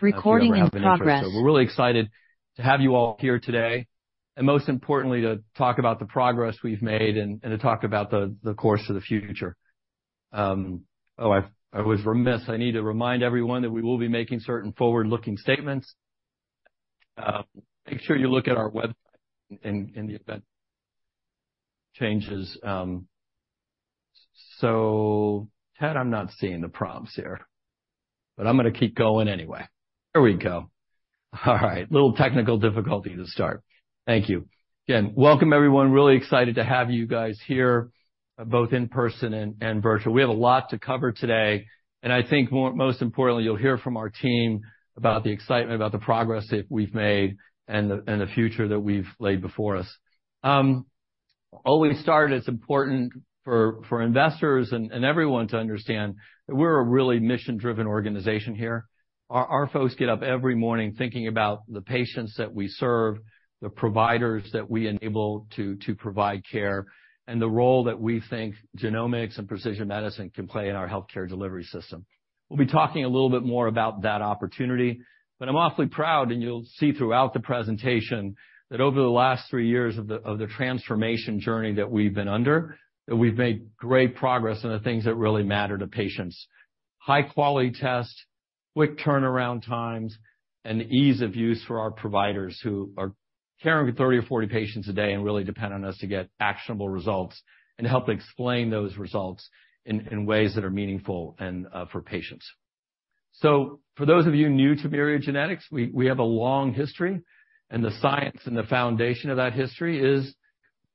Recording in progress. So we're really excited to have you all here today, and most importantly, to talk about the progress we've made and to talk about the course of the future. Oh, I was remiss. I need to remind everyone that we will be making certain forward-looking statements. Make sure you look at our website in the event changes. So Ted, I'm not seeing the prompts here, but I'm gonna keep going anyway. There we go. All right, little technical difficulty to start. Thank you. Again, welcome everyone. Really excited to have you guys here, both in person and virtual. We have a lot to cover today, and I think most importantly, you'll hear from our team about the excitement, about the progress that we've made and the future that we've laid before us. It's important for investors and everyone to understand that we're a really mission-driven organization here. Our folks get up every morning thinking about the patients that we serve, the providers that we enable to provide care, and the role that we think genomics and precision medicine can play in our healthcare delivery system. We'll be talking a little bit more about that opportunity, but I'm awfully proud, and you'll see throughout the presentation, that over the last three years of the transformation journey that we've been under, that we've made great progress in the things that really matter to patients. High quality tests, quick turnaround times, and ease of use for our providers, who are caring for 30 or 40 patients a day, and really depend on us to get actionable results, and help explain those results in, in ways that are meaningful and for patients. For those of you new to Myriad Genetics, we, we have a long history, and the science and the foundation of that history is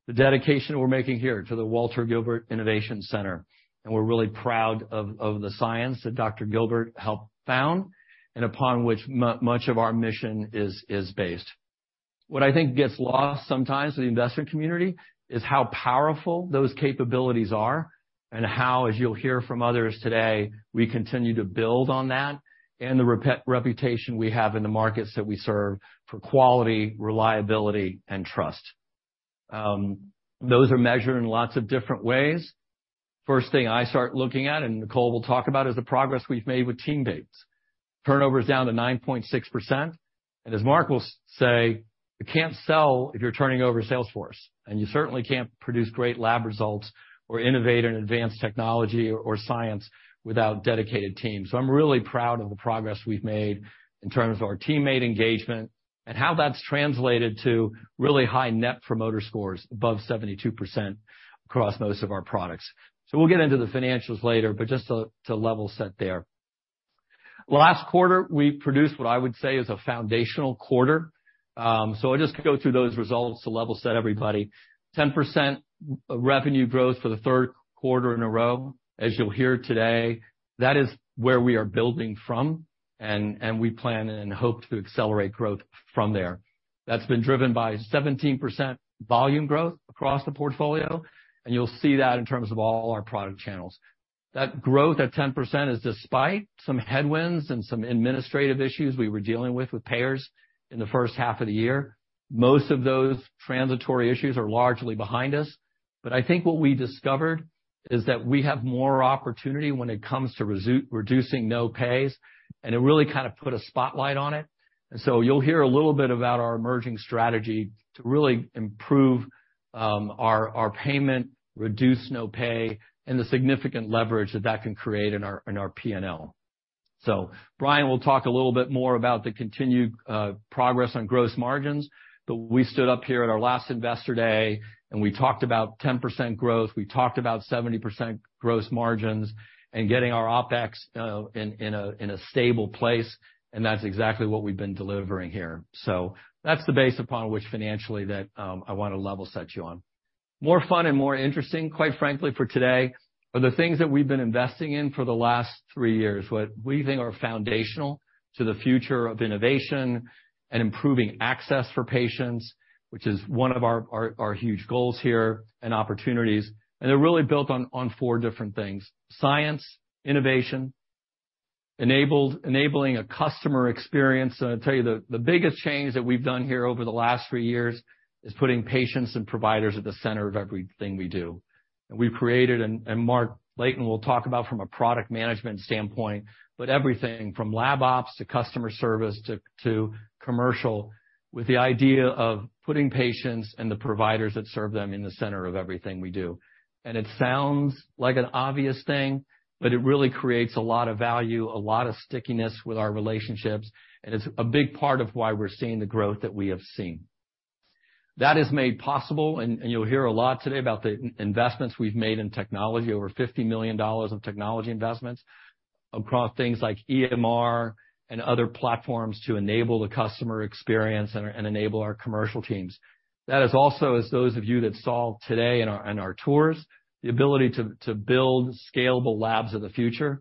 the dedication we're making here to the Walter Gilbert Innovation Center. We're really proud of, of the science that Dr. Gilbert helped found, and upon which much of our mission is, is based. What I think gets lost sometimes in the investment community is how powerful those capabilities are, and how, as you'll hear from others today, we continue to build on that, and the reputation we have in the markets that we serve for quality, reliability, and trust. Those are measured in lots of different ways. First thing I start looking at, and Nicole will talk about, is the progress we've made with teammates. Turnover is down to 9.6%, and as Mark will say, "You can't sell if you're turning over sales force, and you certainly can't produce great lab results or innovate in advanced technology or science without dedicated teams." So I'm really proud of the progress we've made in terms of our teammate engagement, and how that's translated to really high Net Promoter Scores, above 72% across most of our products. So we'll get into the financials later, but just to, to level set there. Last quarter, we produced what I would say is a foundational quarter. So I'll just go through those results to level set everybody. 10% revenue growth for the third quarter in a row. As you'll hear today, that is where we are building from, and, and we plan and hope to accelerate growth from there. That's been driven by 17% volume growth across the portfolio, and you'll see that in terms of all our product channels. That growth at 10% is despite some headwinds and some administrative issues we were dealing with, with payers in the first half of the year. Most of those transitory issues are largely behind us, but I think what we discovered is that we have more opportunity when it comes to reducing no-pays, and it really kind of put a spotlight on it. And so you'll hear a little bit about our emerging strategy to really improve our payment, reduce no-pay, and the significant leverage that that can create in our P&L. So Bryan will talk a little bit more about the continued progress on gross margins, but we stood up here at our last Investor Day, and we talked about 10% growth, we talked about 70% gross margins and getting our OpEx in a stable place, and that's exactly what we've been delivering here. So that's the base upon which financially that I wanna level set you on. More fun and more interesting, quite frankly, for today, are the things that we've been investing in for the last three years, what we think are foundational to the future of innovation and improving access for patients, which is one of our huge goals here and opportunities. And they're really built on four different things: science, innovation, enabling a customer experience. And I'll tell you, the biggest change that we've done here over the last three years is putting patients and providers at the center of everything we do. And we've created, and Mark Layton will talk about from a product management standpoint, but everything from lab ops, to customer service, to commercial, with the idea of putting patients and the providers that serve them in the center of everything we do. It sounds like an obvious thing, but it really creates a lot of value, a lot of stickiness with our relationships, and it's a big part of why we're seeing the growth that we have seen. That is made possible, and you'll hear a lot today about the investments we've made in technology, over $50 million of technology investments, across things like EMR and other platforms to enable the customer experience and enable our commercial teams. That is also, as those of you that saw today on our tours, the ability to build scalable Labs of the Future.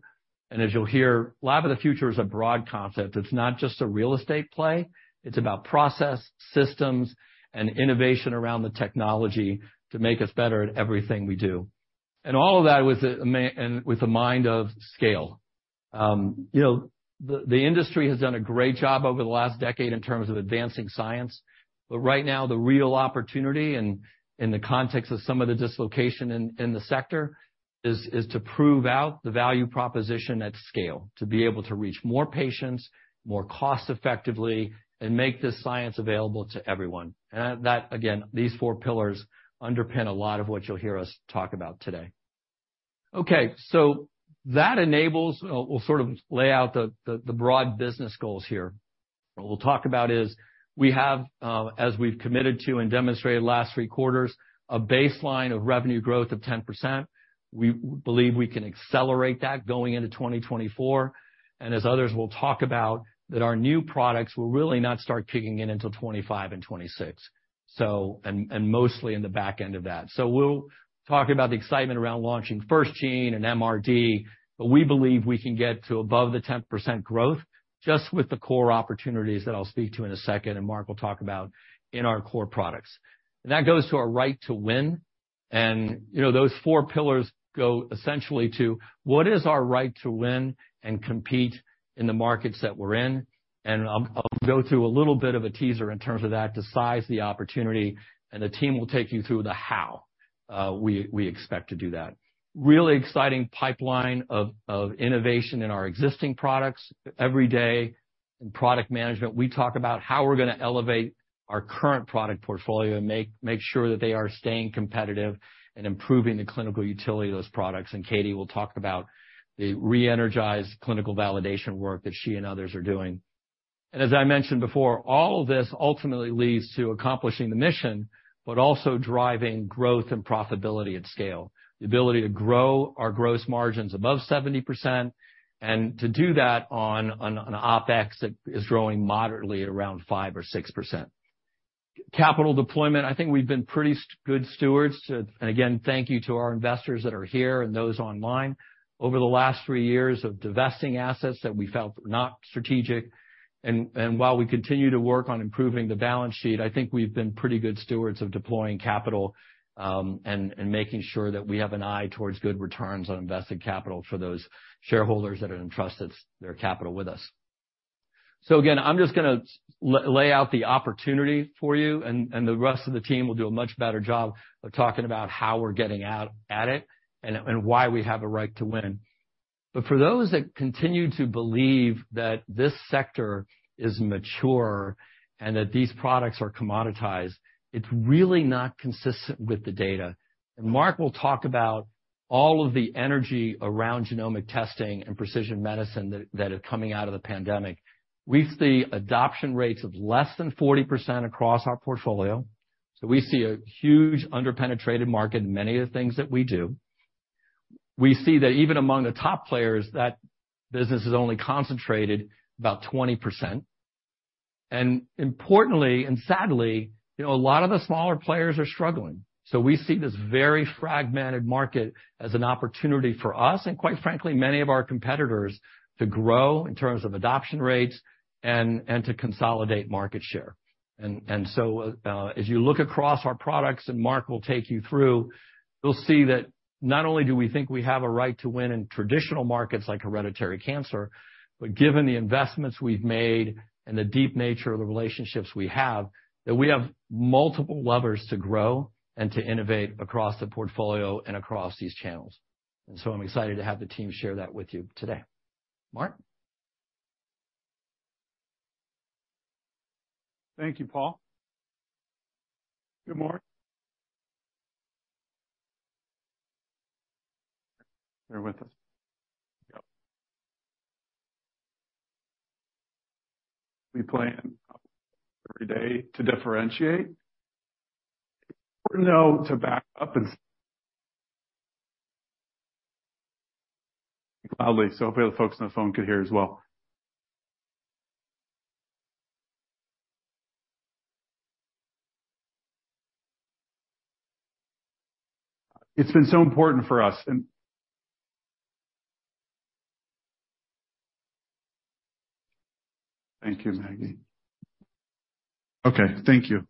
And as you'll hear, Lab of the Future is a broad concept. It's not just a real estate play, it's about process, systems, and innovation around the technology to make us better at everything we do. All of that with the mind of scale. You know, the industry has done a great job over the last decade in terms of advancing science, but right now, the real opportunity, and in the context of some of the dislocation in the sector, is to prove out the value proposition at scale, to be able to reach more patients, more cost effectively, and make this science available to everyone. That, again, these four pillars underpin a lot of what you'll hear us talk about today. Okay, that enables—we'll sort of lay out the broad business goals here. What we'll talk about is: we have, as we've committed to and demonstrated last three quarters, a baseline of revenue growth of 10%. We believe we can accelerate that going into 2024, and as others will talk about, that our new products will really not start kicking in until 2025 and 2026, so... and mostly in the back end of that. So we'll talk about the excitement around launching FirstGene and MRD, but we believe we can get to above the 10% growth just with the core opportunities that I'll speak to in a second, and Mark will talk about in our core products. And that goes to our right to win, and, you know, those four pillars go essentially to: what is our right to win and compete in the markets that we're in? I'll go through a little bit of a teaser in terms of that, to size the opportunity, and the team will take you through the how we expect to do that. Really exciting pipeline of innovation in our existing products. Every day in product management, we talk about how we're gonna elevate our current product portfolio and make sure that they are staying competitive and improving the clinical utility of those products. And Katie will talk about the re-energized clinical validation work that she and others are doing. And as I mentioned before, all of this ultimately leads to accomplishing the mission, but also driving growth and profitability at scale. The ability to grow our gross margins above 70%, and to do that on an OpEx that is growing moderately at around 5% or 6%. Capital deployment, I think we've been pretty good stewards. And again, thank you to our investors that are here and those online. Over the last three years of divesting assets that we felt were not strategic, and while we continue to work on improving the balance sheet, I think we've been pretty good stewards of deploying capital, and making sure that we have an eye towards good returns on invested capital for those shareholders that have entrusted their capital with us. So again, I'm just gonna lay out the opportunity for you, and the rest of the team will do a much better job of talking about how we're getting out at it and why we have a right to win. But for those that continue to believe that this sector is mature and that these products are commoditized, it's really not consistent with the data. And Mark will talk about all of the energy around genomic testing and precision medicine that, that is coming out of the pandemic. We see adoption rates of less than 40% across our portfolio, so we see a huge underpenetrated market in many of the things that we do. We see that even among the top players, that business is only concentrated about 20%. And importantly, and sadly, you know, a lot of the smaller players are struggling. So we see this very fragmented market as an opportunity for us, and quite frankly, many of our competitors, to grow in terms of adoption rates and, and to consolidate market share. As you look across our products, and Mark will take you through, you'll see that not only do we think we have a right to win in traditional markets like hereditary cancer, but given the investments we've made and the deep nature of the relationships we have, that we have multiple levers to grow and to innovate across the portfolio and across these channels. I'm excited to have the team share that with you today. Mark? Thank you, Paul. Good morning. Bear with us. Yep. We plan every day to differentiate. No, to back up and loudly, so hopefully the folks on the phone could hear as well. It's been so important for us and. Thank you, Maggie. Okay, thank you.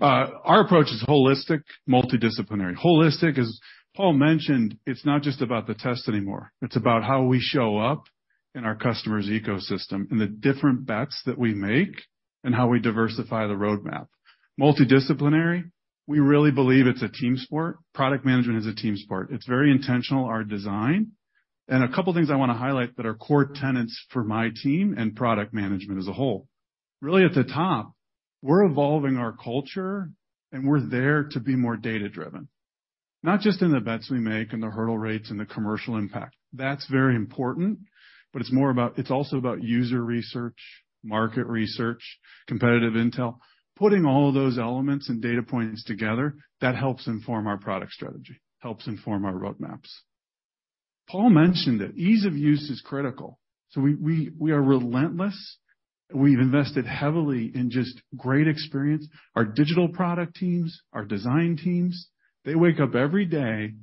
Our approach is holistic, multidisciplinary. Holistic, as Paul mentioned, it's not just about the test anymore, it's about how we show up in our customer's ecosystem, and the different bets that we make, and how we diversify the roadmap. Multidisciplinary, we really believe it's a team sport. Product management is a team sport. It's very intentional, our design. And a couple of things I wanna highlight that are core tenets for my team and product management as a whole. Really, at the top, we're evolving our culture, and we're there to be more data-driven. Not just in the bets we make and the hurdle rates and the commercial impact. That's very important, but it's more about - it's also about user research, market research, competitive intel. Putting all of those elements and data points together, that helps inform our product strategy, helps inform our roadmaps. Paul mentioned that ease of use is critical, so we are relentless. We've invested heavily in just great experience. Our digital product teams, our design teams, they wake up every day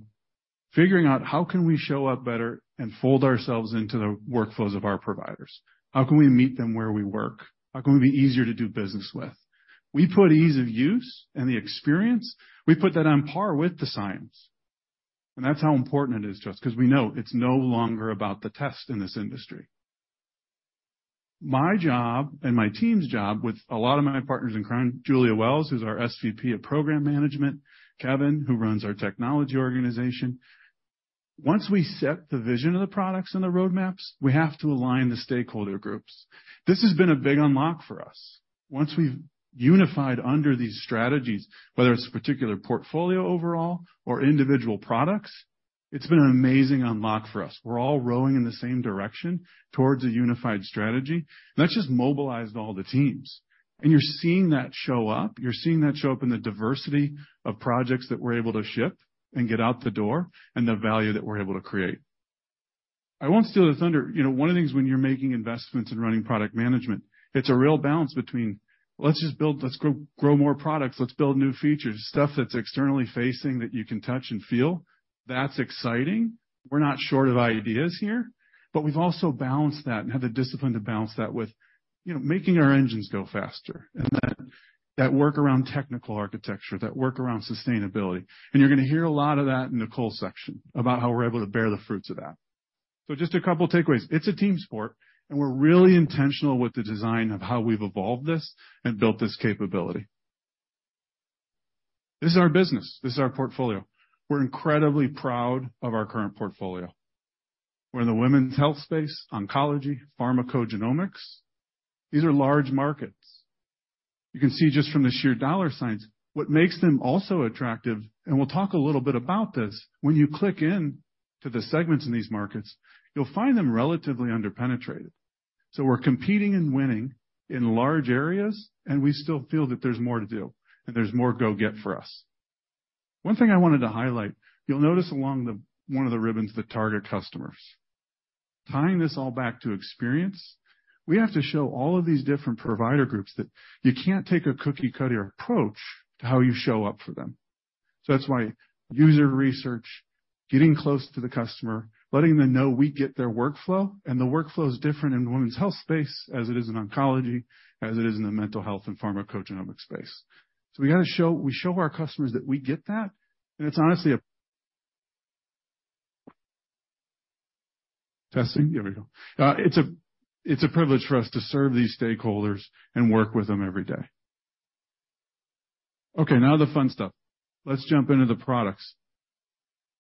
figuring out: How can we show up better and fold ourselves into the workflows of our providers? How can we meet them where we work? How can we be easier to do business with? We put ease of use and the experience; we put that on par with the science, and that's how important it is to us, because we know it's no longer about the test in this industry.... My job and my team's job, with a lot of my partners in crime, Julia Wells, who's our SVP of Program Management, Kevin, who runs our technology organization. Once we set the vision of the products and the roadmaps, we have to align the stakeholder groups. This has been a big unlock for us. Once we've unified under these strategies, whether it's a particular portfolio overall or individual products, it's been an amazing unlock for us. We're all rowing in the same direction towards a unified strategy. That's just mobilized all the teams. And you're seeing that show up. You're seeing that show up in the diversity of projects that we're able to ship and get out the door, and the value that we're able to create. I won't steal the thunder. You know, one of the things when you're making investments in running product management, it's a real balance between let's just build, let's grow, grow more products, let's build new features, stuff that's externally facing that you can touch and feel. That's exciting. We're not short of ideas here, but we've also balanced that and have the discipline to balance that with, you know, making our engines go faster, and that, that work around technical architecture, that work around sustainability. You're going to hear a lot of that in Nicole's section about how we're able to bear the fruits of that. Just a couple of takeaways. It's a team sport, and we're really intentional with the design of how we've evolved this and built this capability. This is our business, this is our portfolio. We're incredibly proud of our current portfolio. We're in the women's health space, oncology, pharmacogenomics. These are large markets. You can see just from the sheer dollar signs. What makes them also attractive, and we'll talk a little bit about this, when you click in to the segments in these markets, you'll find them relatively underpenetrated. So we're competing and winning in large areas, and we still feel that there's more to do and there's more go get for us. One thing I wanted to highlight, you'll notice along the, one of the ribbons, the target customers. Tying this all back to experience, we have to show all of these different provider groups that you can't take a cookie-cutter approach to how you show up for them. So that's why user research, getting close to the customer, letting them know we get their workflow, and the workflow is different in the women's health space, as it is in oncology, as it is in the mental health and pharmacogenomics space. So we got to show, we show our customers that we get that, and it's honestly a, it's a privilege for us to serve these stakeholders and work with them every day. Okay, now the fun stuff. Let's jump into the products.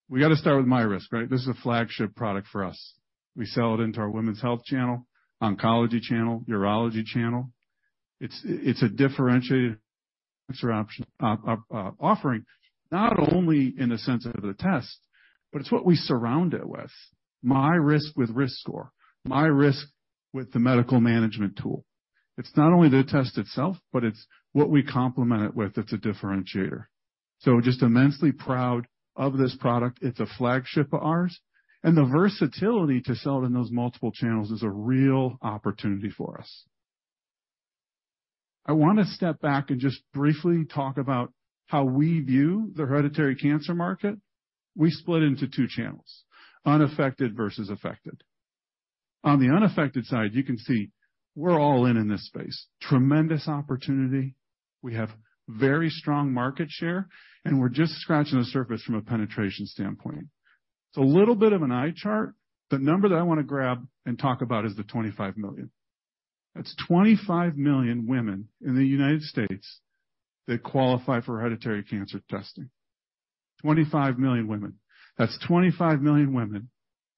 We got to start with MyRisk, right? This is a flagship product for us. We sell it into our women's health channel, oncology channel, urology channel. It's, it's a differentiated option, offering, not only in the sense of the test, but it's what we surround it with. MyRisk with RiskScore, MyRisk with the Medical Management Tool. It's not only the test itself, but it's what we complement it with that's a differentiator. So we're just immensely proud of this product. It's a flagship of ours, and the versatility to sell it in those multiple channels is a real opportunity for us. I want to step back and just briefly talk about how we view the hereditary cancer market. We split into two channels: unaffected versus affected. On the unaffected side, you can see we're all in, in this space. Tremendous opportunity. We have very strong market share, and we're just scratching the surface from a penetration standpoint. It's a little bit of an eye chart. The number that I want to grab and talk about is the 25 million. That's 25 million women in the United States that qualify for hereditary cancer testing. 25 million women. That's 25 million women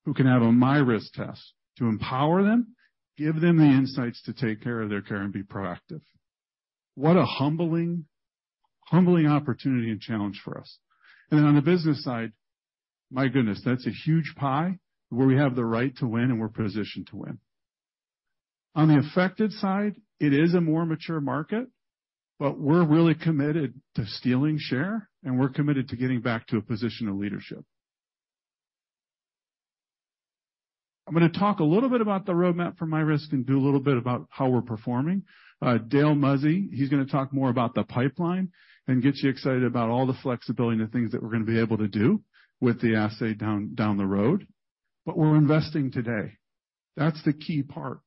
who can have a MyRisk test to empower them, give them the insights to take care of their care and be proactive. What a humbling, humbling opportunity and challenge for us. And then on the business side, my goodness, that's a huge pie where we have the right to win and we're positioned to win. On the affected side, it is a more mature market, but we're really committed to stealing share, and we're committed to getting back to a position of leadership. I'm going to talk a little bit about the roadmap for MyRisk and do a little bit about how we're performing. Dale Muzzey, he's going to talk more about the pipeline and get you excited about all the flexibility and the things that we're going to be able to do with the assay down the road. But we're investing today. That's the key part.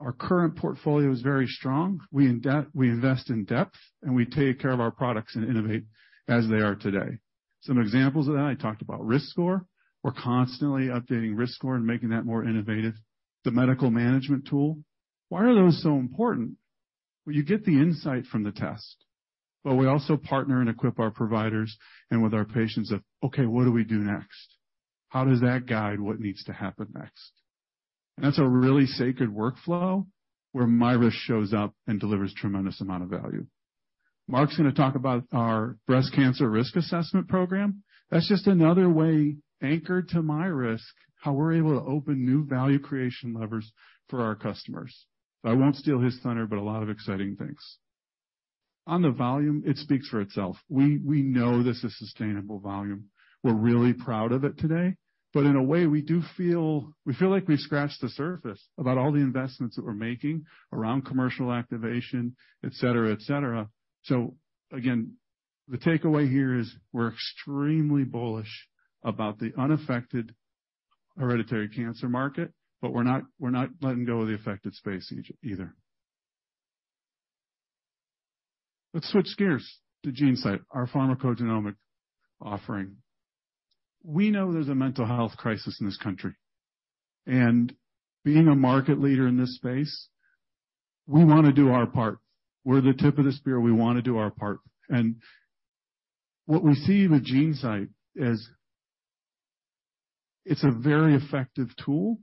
Our current portfolio is very strong. We invest in depth, and we take care of our products and innovate as they are today. Some examples of that, I talked about RiskScore. We're constantly updating RiskScore and making that more innovative. The Medical Management Tool. Why are those so important? Well, you get the insight from the test, but we also partner and equip our providers and with our patients of, okay, what do we do next? How does that guide what needs to happen next? And that's a really sacred workflow where MyRisk shows up and delivers tremendous amount of value. Mark's going to talk about our breast cancer risk assessment program. That's just another way, anchored to MyRisk, how we're able to open new value creation levers for our customers. I won't steal his thunder, but a lot of exciting things. On the volume, it speaks for itself. We know this is sustainable volume. We're really proud of it today, but in a way, we do feel... We feel like we've scratched the surface about all the investments that we're making around commercial activation, et cetera, et cetera. Again, the takeaway here is we're extremely bullish about the unaffected hereditary cancer market, but we're not, we're not letting go of the affected space either... Let's switch gears to GeneSight, our pharmacogenomic offering. We know there's a mental health crisis in this country, and being a market leader in this space, we wanna do our part. We're the tip of the spear. We wanna do our part. And what we see with GeneSight is, it's a very effective tool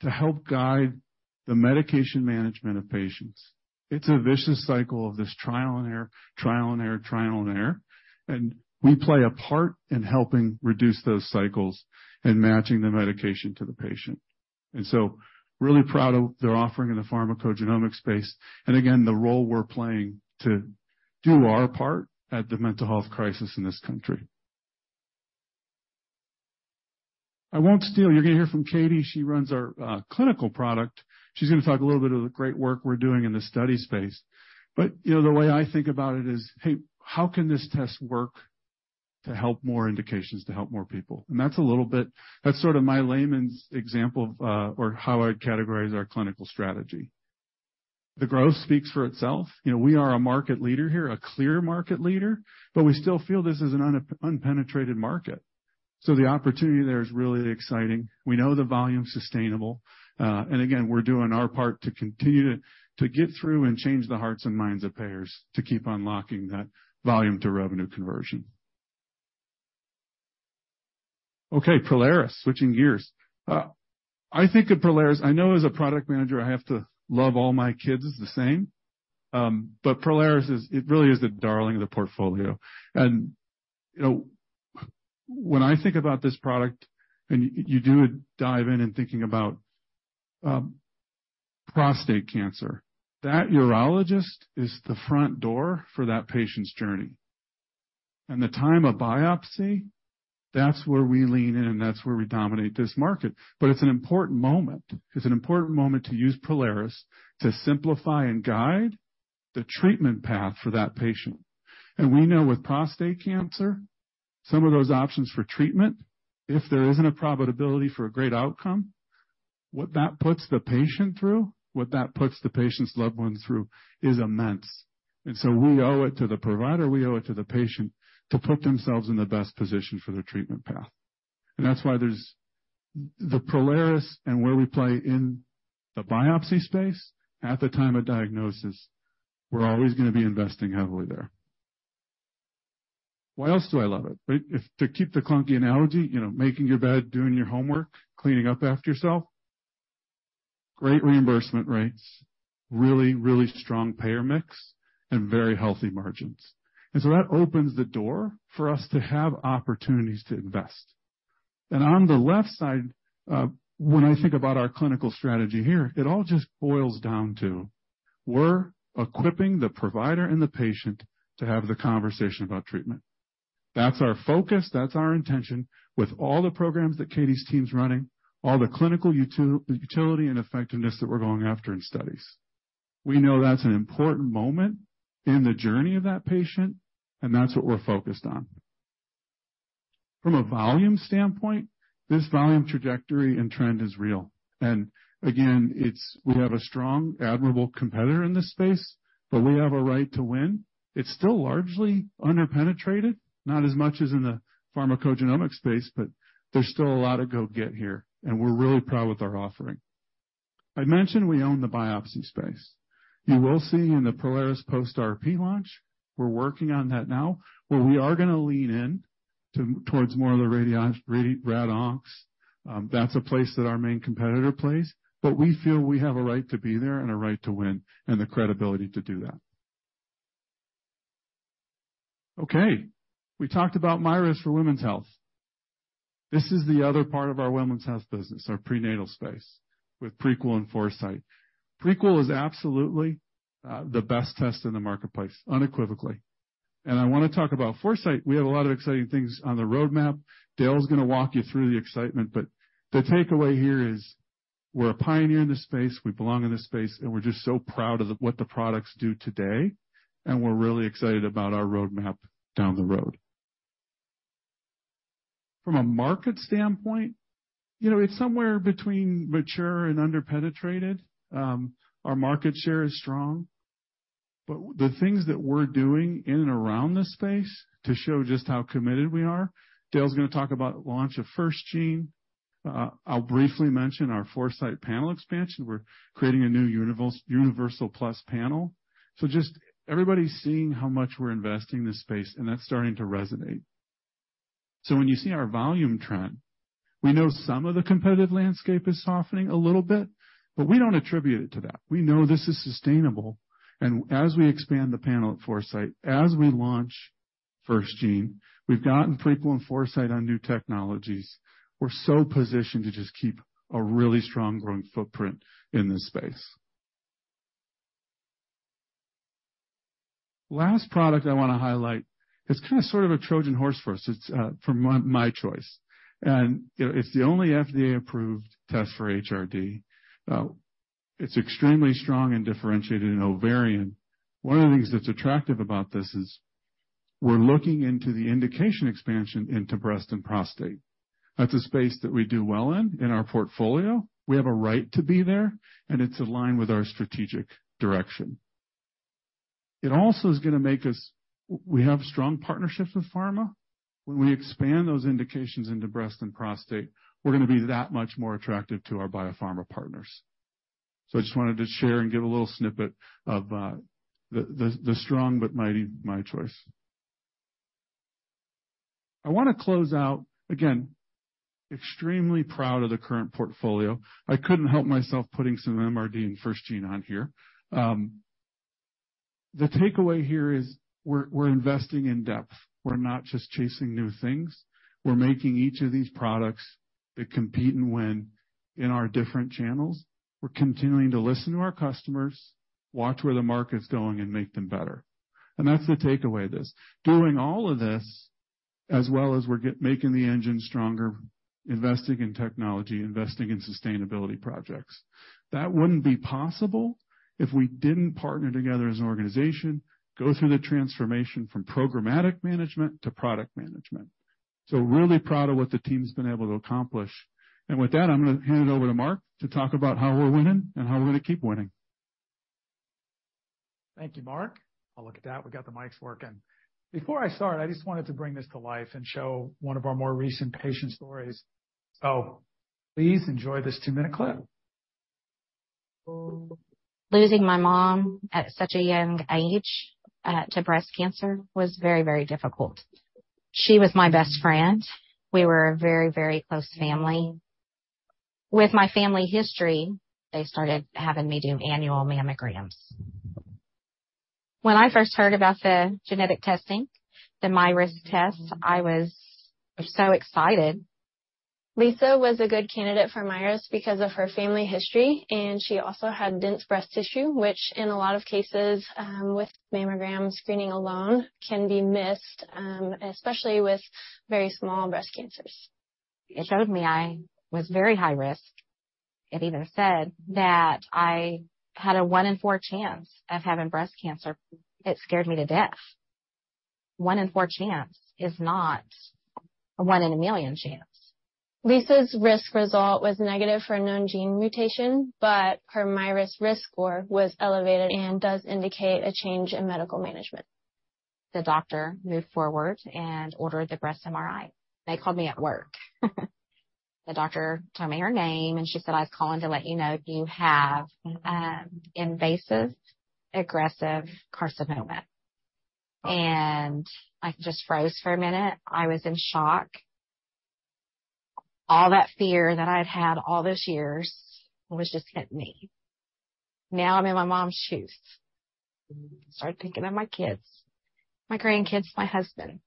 to help guide the medication management of patients. It's a vicious cycle of this trial and error, trial and error, trial and error, and we play a part in helping reduce those cycles and matching the medication to the patient. And so we're really proud of their offering in the pharmacogenomic space, and again, the role we're playing to do our part at the mental health crisis in this country. I won't steal. You're gonna hear from Katie. She runs our clinical product. She's gonna talk a little bit of the great work we're doing in the study space. But, you know, the way I think about it is, hey, how can this test work to help more indications, to help more people? That's a little bit-- that's sort of my layman's example of, or how I'd categorize our clinical strategy. The growth speaks for itself. You know, we are a market leader here, a clear market leader, but we still feel this is an unpenetrated market. So the opportunity there is really exciting. We know the volume's sustainable. And again, we're doing our part to continue to get through and change the hearts and minds of payers to keep unlocking that volume to revenue conversion. Okay, Prolaris, switching gears. I think of Prolaris. I know as a product manager, I have to love all my kids the same, but Prolaris is-- it really is the darling of the portfolio. And you know, when I think about this product, and you do a dive in and thinking about prostate cancer, that urologist is the front door for that patient's journey. And the time of biopsy, that's where we lean in, and that's where we dominate this market. But it's an important moment. It's an important moment to use Prolaris to simplify and guide the treatment path for that patient. And we know with prostate cancer, some of those options for treatment, if there isn't a profitability for a great outcome, what that puts the patient through, what that puts the patient's loved ones through, is immense. And so we owe it to the provider, we owe it to the patient to put themselves in the best position for their treatment path. That's why there's the Prolaris and where we play in the biopsy space at the time of diagnosis. We're always gonna be investing heavily there. Why else do I love it? But if to keep the clunky analogy, you know, making your bed, doing your homework, cleaning up after yourself, great reimbursement rates, really, really strong payer mix, and very healthy margins. And so that opens the door for us to have opportunities to invest. And on the left side, when I think about our clinical strategy here, it all just boils down to we're equipping the provider and the patient to have the conversation about treatment. That's our focus, that's our intention with all the programs that Katie's team's running, all the clinical utility and effectiveness that we're going after in studies. We know that's an important moment in the journey of that patient, and that's what we're focused on. From a volume standpoint, this volume trajectory and trend is real. And again, it's—we have a strong, admirable competitor in this space, but we have a right to win. It's still largely underpenetrated, not as much as in the pharmacogenomic space, but there's still a lot of go get here, and we're really proud with our offering. I mentioned we own the biopsy space. You will see in the Prolaris post RP launch, we're working on that now, where we are gonna lean in to—towards more of the rad oncs. That's a place that our main competitor plays, but we feel we have a right to be there and a right to win and the credibility to do that. Okay, we talked about MyRisk for women's health. This is the other part of our women's health business, our prenatal space, with Prequel and Foresight. Prequel is absolutely, the best test in the marketplace, unequivocally. And I wanna talk about Foresight. We have a lot of exciting things on the roadmap. Dale is gonna walk you through the excitement, but the takeaway here is we're a pioneer in this space, we belong in this space, and we're just so proud of the... what the products do today, and we're really excited about our roadmap down the road. From a market standpoint, you know, it's somewhere between mature and underpenetrated. Our market share is strong, but the things that we're doing in and around this space to show just how committed we are, Dale's gonna talk about launch of FirstGene. I'll briefly mention our Foresight panel expansion. We're creating a new Universal Plus Panel. So just everybody's seeing how much we're investing in this space, and that's starting to resonate. When you see our volume trend, we know some of the competitive landscape is softening a little bit, but we don't attribute it to that. We know this is sustainable, and as we expand the panel at Foresight, as we launch FirstGene, we've gotten Prequel and Foresight on new technologies. We're so positioned to just keep a really strong growing footprint in this space. Last product I wanna highlight is kinda sort of a Trojan horse for us. It's from MyChoice, and, you know, it's the only FDA-approved test for HRD. It's extremely strong and differentiated in ovarian. One of the things that's attractive about this is-... We're looking into the indication expansion into breast and prostate. That's a space that we do well in, in our portfolio. We have a right to be there, and it's aligned with our strategic direction. It also is gonna make us. We have strong partnerships with pharma. When we expand those indications into breast and prostate, we're gonna be that much more attractive to our biopharma partners. So I just wanted to share and give a little snippet of the strong but mighty MyChoice. I wanna close out. Again, extremely proud of the current portfolio. I couldn't help myself putting some MRD and FirstGene on here. The takeaway here is we're investing in depth. We're not just chasing new things. We're making each of these products that compete and win in our different channels. We're continuing to listen to our customers, watch where the market's going, and make them better. That's the takeaway of this. Doing all of this, as well as we're making the engine stronger, investing in technology, investing in sustainability projects. That wouldn't be possible if we didn't partner together as an organization, go through the transformation from programmatic management to product management. So really proud of what the team's been able to accomplish. And with that, I'm gonna hand it over to Mark to talk about how we're winning and how we're gonna keep winning. Thank you, Mark. Oh, look at that, we got the mics working. Before I start, I just wanted to bring this to life and show one of our more recent patient stories. So please enjoy this two-minute clip. Losing my mom at such a young age to breast cancer was very, very difficult. She was my best friend. We were a very, very close family. With my family history, they started having me do annual mammograms. When I first heard about the genetic testing, the MyRisk test, I was so excited. Lisa was a good candidate for MyRisk because of her family history, and she also had dense breast tissue, which in a lot of cases, with mammogram screening alone, can be missed, especially with very small breast cancers. It showed me I was very high risk. It even said that I had a 1 in 4 chance of having breast cancer. It scared me to death. 1 in 4 chance is not a 1 in a million chance. Lisa's MyRisk result was negative for a known gene mutation, but her MyRisk RiskScore was elevated and does indicate a change in medical management. The doctor moved forward and ordered the breast MRI. They called me at work. The doctor told me her name, and she said, "I was calling to let you know you have invasive, aggressive carcinoma." I just froze for a minute. I was in shock. All that fear that I'd had all those years, it was just hit me. Now I'm in my mom's shoes. Started thinking of my kids, my grandkids, my husband.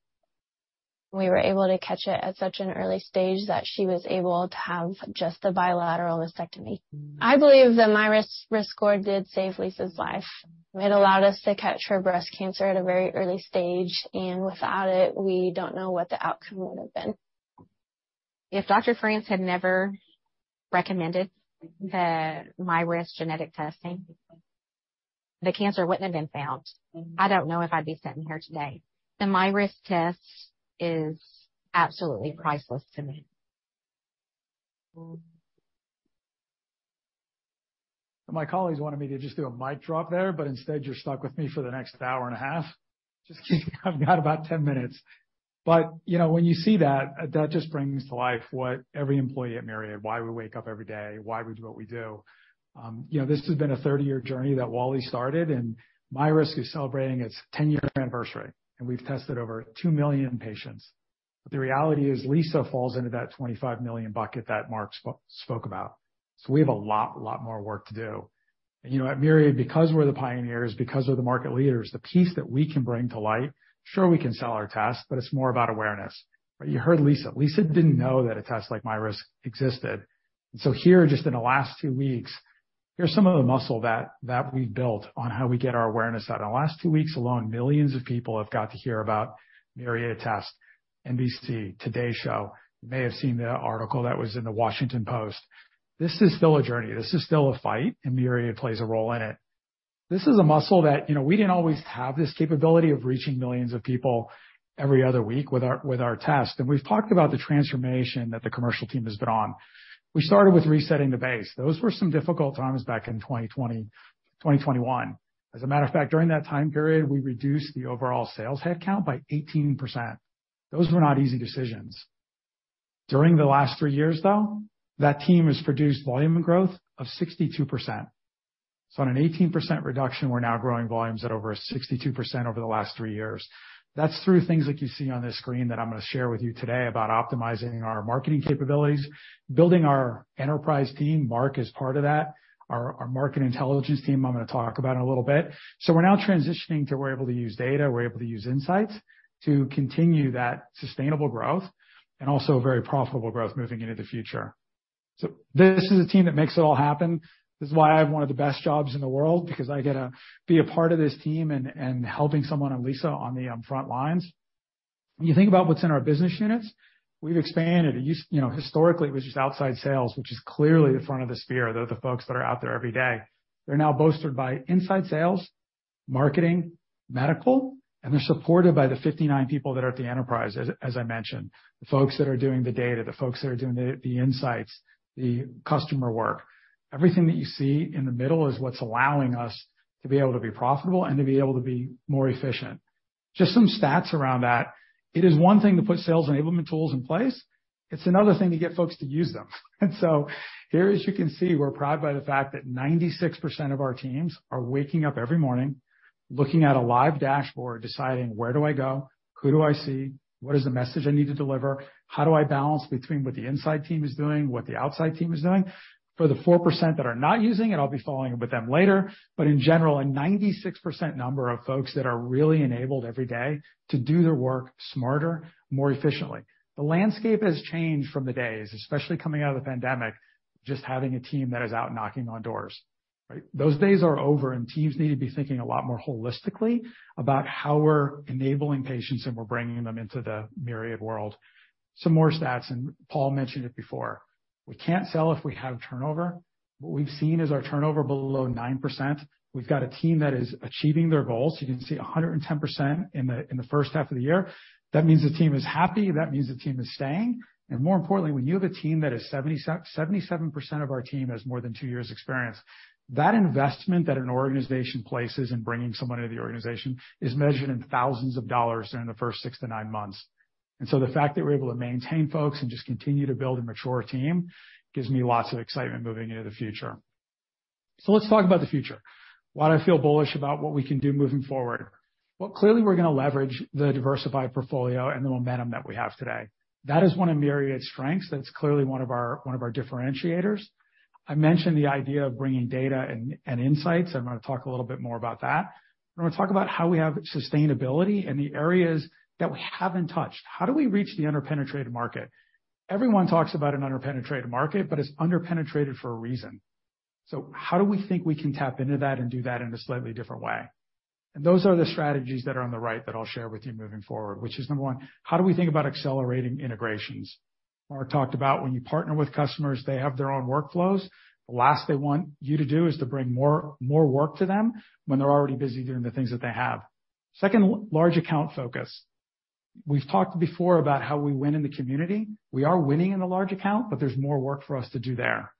We were able to catch it at such an early stage that she was able to have just the bilateral mastectomy. I believe the MyRisk RiskScore did save Lisa's life. It allowed us to catch her breast cancer at a very early stage, and without it, we don't know what the outcome would have been. If Dr. Franz had never recommended the MyRisk genetic testing, the cancer wouldn't have been found. I don't know if I'd be sitting here today. The MyRisk test is absolutely priceless to me. My colleagues wanted me to just do a mic drop there, but instead, you're stuck with me for the next hour and a half. Just kidding. I've got about 10 minutes. But, you know, when you see that, that just brings to life what every employee at Myriad, why we wake up every day, why we do what we do. You know, this has been a 30-year journey that Wally started, and MyRisk is celebrating its 10-year anniversary, and we've tested over 2 million patients. But the reality is, Lisa falls into that 25 million bucket that Mark spoke about. So we have a lot, lot more work to do. You know, at Myriad, because we're the pioneers, because we're the market leaders, the piece that we can bring to light, sure, we can sell our test, but it's more about awareness. But you heard Lisa. Lisa didn't know that a test like MyRisk existed. So here, just in the last two weeks, here's some of the muscle that we've built on how we get our awareness out. In the last two weeks alone, millions of people have got to hear about Myriad test, NBC, Today Show. You may have seen the article that was in the Washington Post. This is still a journey. This is still a fight, and Myriad plays a role in it. This is a muscle that, you know, we didn't always have this capability of reaching millions of people every other week with our, with our test. And we've talked about the transformation that the commercial team has been on. We started with resetting the base. Those were some difficult times back in 2020, 2021. As a matter of fact, during that time period, we reduced the overall sales headcount by 18%. Those were not easy decisions. During the last three years, though, that team has produced volume growth of 62%. So on an 18% reduction, we're now growing volumes at over 62% over the last three years. That's through things like you see on this screen that I'm gonna share with you today about optimizing our marketing capabilities, building our enterprise team. Mark is part of that. Our market intelligence team, I'm gonna talk about in a little bit. So we're now transitioning to, we're able to use data, we're able to use insights, to continue that sustainable growth and also very profitable growth moving into the future. So this is a team that makes it all happen. This is why I have one of the best jobs in the world, because I get to be a part of this team and helping someone like Lisa on the front lines... When you think about what's in our business units, we've expanded. You know, historically, it was just outside sales, which is clearly the front of the spear. They're the folks that are out there every day. They're now bolstered by inside sales, marketing, medical, and they're supported by the 59 people that are at the enterprise, as I mentioned. The folks that are doing the data, the folks that are doing the insights, the customer work. Everything that you see in the middle is what's allowing us to be able to be profitable and to be able to be more efficient. Just some stats around that. It is one thing to put sales enablement tools in place, it's another thing to get folks to use them. And so here, as you can see, we're proud by the fact that 96% of our teams are waking up every morning, looking at a live dashboard, deciding: Where do I go? Who do I see? What is the message I need to deliver? How do I balance between what the inside team is doing, what the outside team is doing? For the 4% that are not using it, I'll be following up with them later, but in general, a 96% number of folks that are really enabled every day to do their work smarter, more efficiently. The landscape has changed from the days, especially coming out of the pandemic, just having a team that is out knocking on doors, right? Those days are over, and teams need to be thinking a lot more holistically about how we're enabling patients, and we're bringing them into the Myriad world. Some more stats, and Paul mentioned it before. We can't sell if we have turnover. What we've seen is our turnover below 9%. We've got a team that is achieving their goals. You can see 110% in the, in the first half of the year. That means the team is happy, that means the team is staying. More importantly, when you have a team that is 77% of our team has more than two years experience, that investment that an organization places in bringing someone into the organization is measured in thousands of dollars during the first six to nine months. And so the fact that we're able to maintain folks and just continue to build a mature team, gives me lots of excitement moving into the future. So let's talk about the future. Why do I feel bullish about what we can do moving forward? Well, clearly, we're gonna leverage the diversified portfolio and the momentum that we have today. That is one of Myriad's strengths, that's clearly one of our, one of our differentiators. I mentioned the idea of bringing data and, and insights. I'm gonna talk a little bit more about that. I'm gonna talk about how we have sustainability in the areas that we haven't touched. How do we reach the underpenetrated market? Everyone talks about an underpenetrated market, but it's underpenetrated for a reason. So how do we think we can tap into that and do that in a slightly different way? Those are the strategies that are on the right that I'll share with you moving forward, which is number one: how do we think about accelerating integrations? I talked about when you partner with customers, they have their own workflows. The last they want you to do is to bring more, more work to them when they're already busy doing the things that they have. Second, large account focus. We've talked before about how we win in the community. We are winning in the large account, but there's more work for us to do there.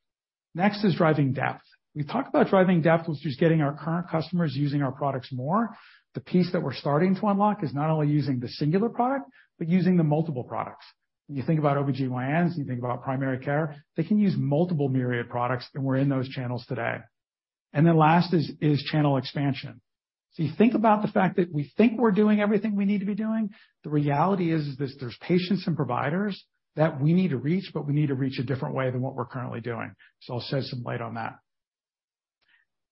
Next is driving depth. We've talked about driving depth, which is getting our current customers using our products more. The piece that we're starting to unlock is not only using the singular product, but using the multiple products. When you think about OB-GYNs, when you think about primary care, they can use multiple Myriad products, and we're in those channels today. And then last is channel expansion. So you think about the fact that we think we're doing everything we need to be doing. The reality is this, there's patients and providers that we need to reach, but we need to reach a different way than what we're currently doing. So I'll shed some light on that.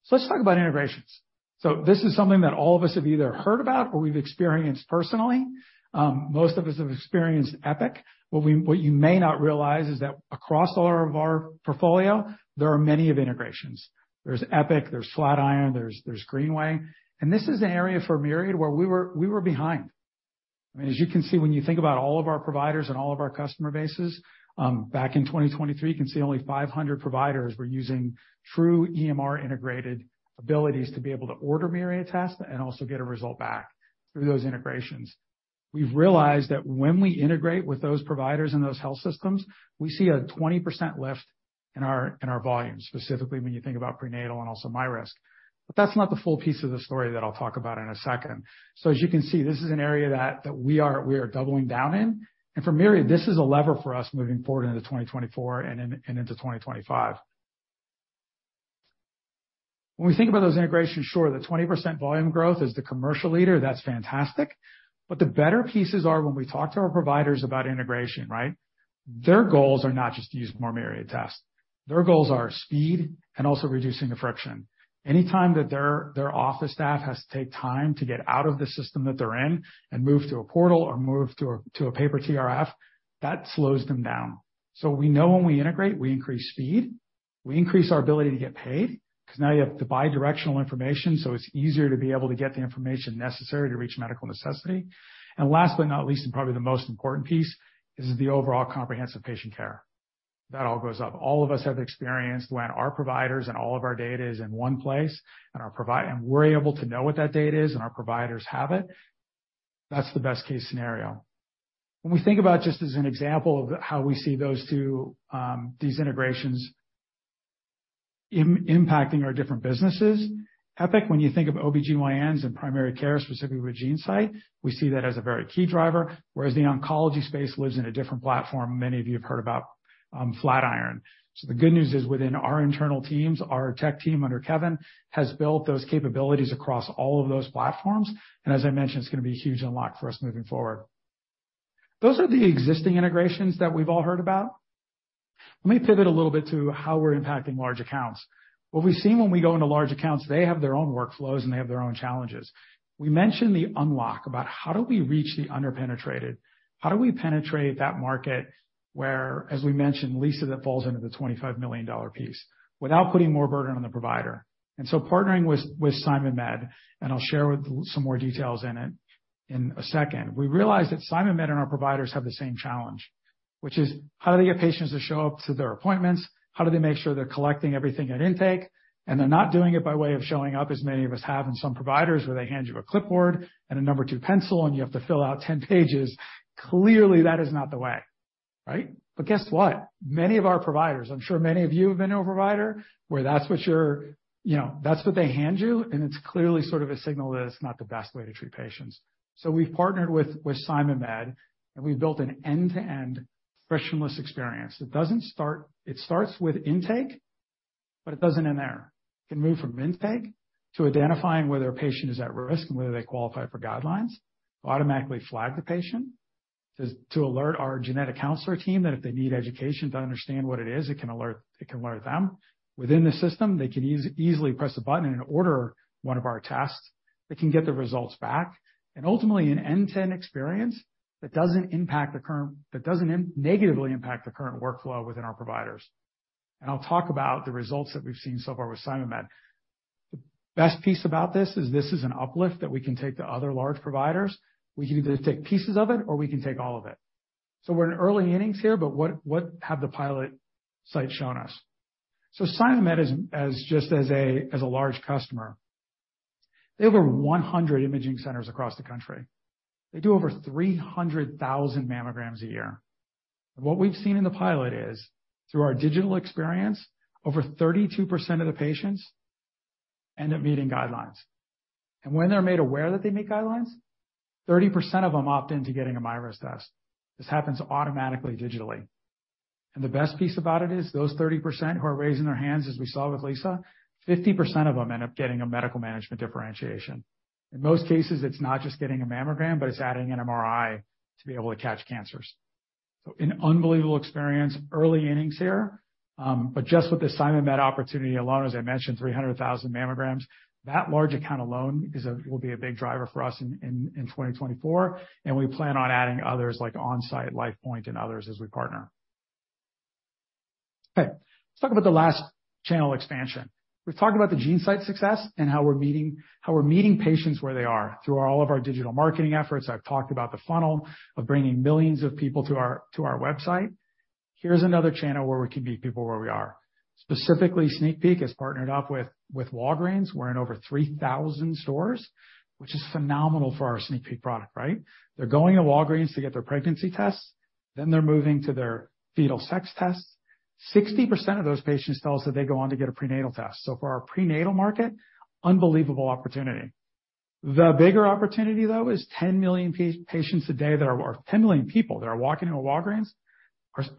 So let's talk about integrations. So this is something that all of us have either heard about or we've experienced personally. Most of us have experienced Epic. What you may not realize is that across all of our portfolio, there are many of integrations. There's Epic, there's Flatiron, there's Greenway, and this is an area for Myriad where we were behind. I mean, as you can see, when you think about all of our providers and all of our customer bases, back in 2023, you can see only 500 providers were using true EMR-integrated abilities to be able to order Myriad test and also get a result back through those integrations. We've realized that when we integrate with those providers and those health systems, we see a 20% lift in our, in our volumes, specifically when you think about prenatal and also MyRisk. But that's not the full piece of the story that I'll talk about in a second. So as you can see, this is an area that we are doubling down in, and for Myriad, this is a lever for us moving forward into 2024 and into 2025. When we think about those integrations, sure, the 20% volume growth is the commercial leader. That's fantastic, but the better pieces are when we talk to our providers about integration, right? Their goals are not just to use more Myriad tests. Their goals are speed and also reducing the friction. Anytime that their office staff has to take time to get out of the system that they're in and move to a portal or move to a, to a paper TRF, that slows them down. So we know when we integrate, we increase speed, we increase our ability to get paid, 'cause now you have the bidirectional information, so it's easier to be able to get the information necessary to reach medical necessity. And last but not least, and probably the most important piece is the overall comprehensive patient care. That all goes up. All of us have experienced when our providers and all of our data is in one place, and we're able to know what that data is and our providers have it, that's the best-case scenario. When we think about, just as an example of how we see those two, these integrations impacting our different businesses, Epic, when you think of OB-GYNs and primary care, specifically with GeneSight, we see that as a very key driver, whereas the oncology space lives in a different platform. Many of you have heard about Flatiron. So the good news is, within our internal teams, our tech team under Kevin, has built those capabilities across all of those platforms, and as I mentioned, it's gonna be a huge unlock for us moving forward. Those are the existing integrations that we've all heard about. Let me pivot a little bit to how we're impacting large accounts. What we've seen when we go into large accounts, they have their own workflows, and they have their own challenges. We mentioned the unlock about how do we reach the underpenetrated... How do we penetrate that market where, as we mentioned, Lisa, that falls into the $25 million piece without putting more burden on the provider? And so partnering with, with SimonMed, and I'll share with some more details in it in a second. We realized that SimonMed and our providers have the same challenge, which is: how do they get patients to show up to their appointments? How do they make sure they're collecting everything at intake, and they're not doing it by way of showing up, as many of us have, and some providers, where they hand you a clipboard and a number 2 pencil, and you have to fill out 10 pages. Clearly, that is not the way, right? But guess what? Many of our providers, I'm sure many of you have been to a provider, where that's what your, you know, that's what they hand you, and it's clearly sort of a signal that it's not the best way to treat patients. So we've partnered with, with SimonMed, and we've built an end-to-end frictionless experience. It doesn't start... It starts with intake, but it doesn't end there. It can move from intake to identifying whether a patient is at risk and whether they qualify for guidelines, automatically flag the patient, to alert our genetic counselor team that if they need education to understand what it is, it can alert them. Within the system, they can easily press a button and order one of our tests. They can get the results back, and ultimately, an end-to-end experience that doesn't negatively impact the current workflow within our providers. And I'll talk about the results that we've seen so far with SimonMed. The best piece about this is this is an uplift that we can take to other large providers. We can either take pieces of it or we can take all of it. So we're in early innings here, but what have the pilot sites shown us? So SimonMed is, as a large customer, they have over 100 imaging centers across the country. They do over 300,000 mammograms a year. What we've seen in the pilot is, through our digital experience, over 32% of the patients end up meeting guidelines. And when they're made aware that they meet guidelines, 30% of them opt in to getting a MyRisk test. This happens automatically, digitally. And the best piece about it is those 30% who are raising their hands, as we saw with Lisa, 50% of them end up getting a medical management differentiation. In most cases, it's not just getting a mammogram, but it's adding an MRI to be able to catch cancers. So an unbelievable experience. Early innings here, but just with the SimonMed opportunity alone, as I mentioned, 300,000 mammograms, that large account alone will be a big driver for us in 2024, and we plan on adding others like Onsite, LifePoint, and others as we partner. Okay, let's talk about the last channel expansion. We've talked about the GeneSight success and how we're meeting patients where they are through all of our digital marketing efforts. I've talked about the funnel of bringing millions of people to our website. Here's another channel where we can meet people where we are. Specifically, SneakPeek has partnered up with Walgreens. We're in over 3,000 stores, which is phenomenal for our SneakPeek product, right? They're going to Walgreens to get their pregnancy tests, then they're moving to their fetal sex tests. 60% of those patients tell us that they go on to get a prenatal test. So for our prenatal market, unbelievable opportunity. The bigger opportunity, though, is 10 million patients today that are—or 10 million people that are walking into a Walgreens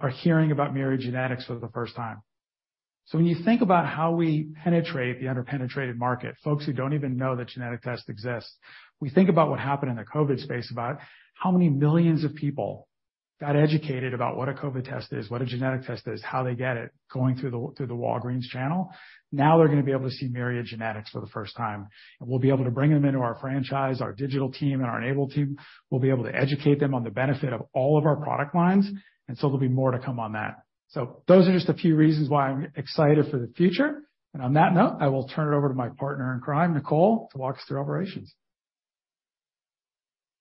are hearing about Myriad Genetics for the first time. So when you think about how we penetrate the underpenetrated market, folks who don't even know that genetic tests exist, we think about what happened in the COVID space, about how many millions of people got educated about what a COVID test is, what a genetic test is, how they get it, going through the Walgreens channel. Now they're going to be able to see Myriad Genetics for the first time, and we'll be able to bring them into our franchise, our digital team, and our enabled team. We'll be able to educate them on the benefit of all of our product lines, and so there'll be more to come on that. Those are just a few reasons why I'm excited for the future. On that note, I will turn it over to my partner in crime, Nicole, to walk us through operations.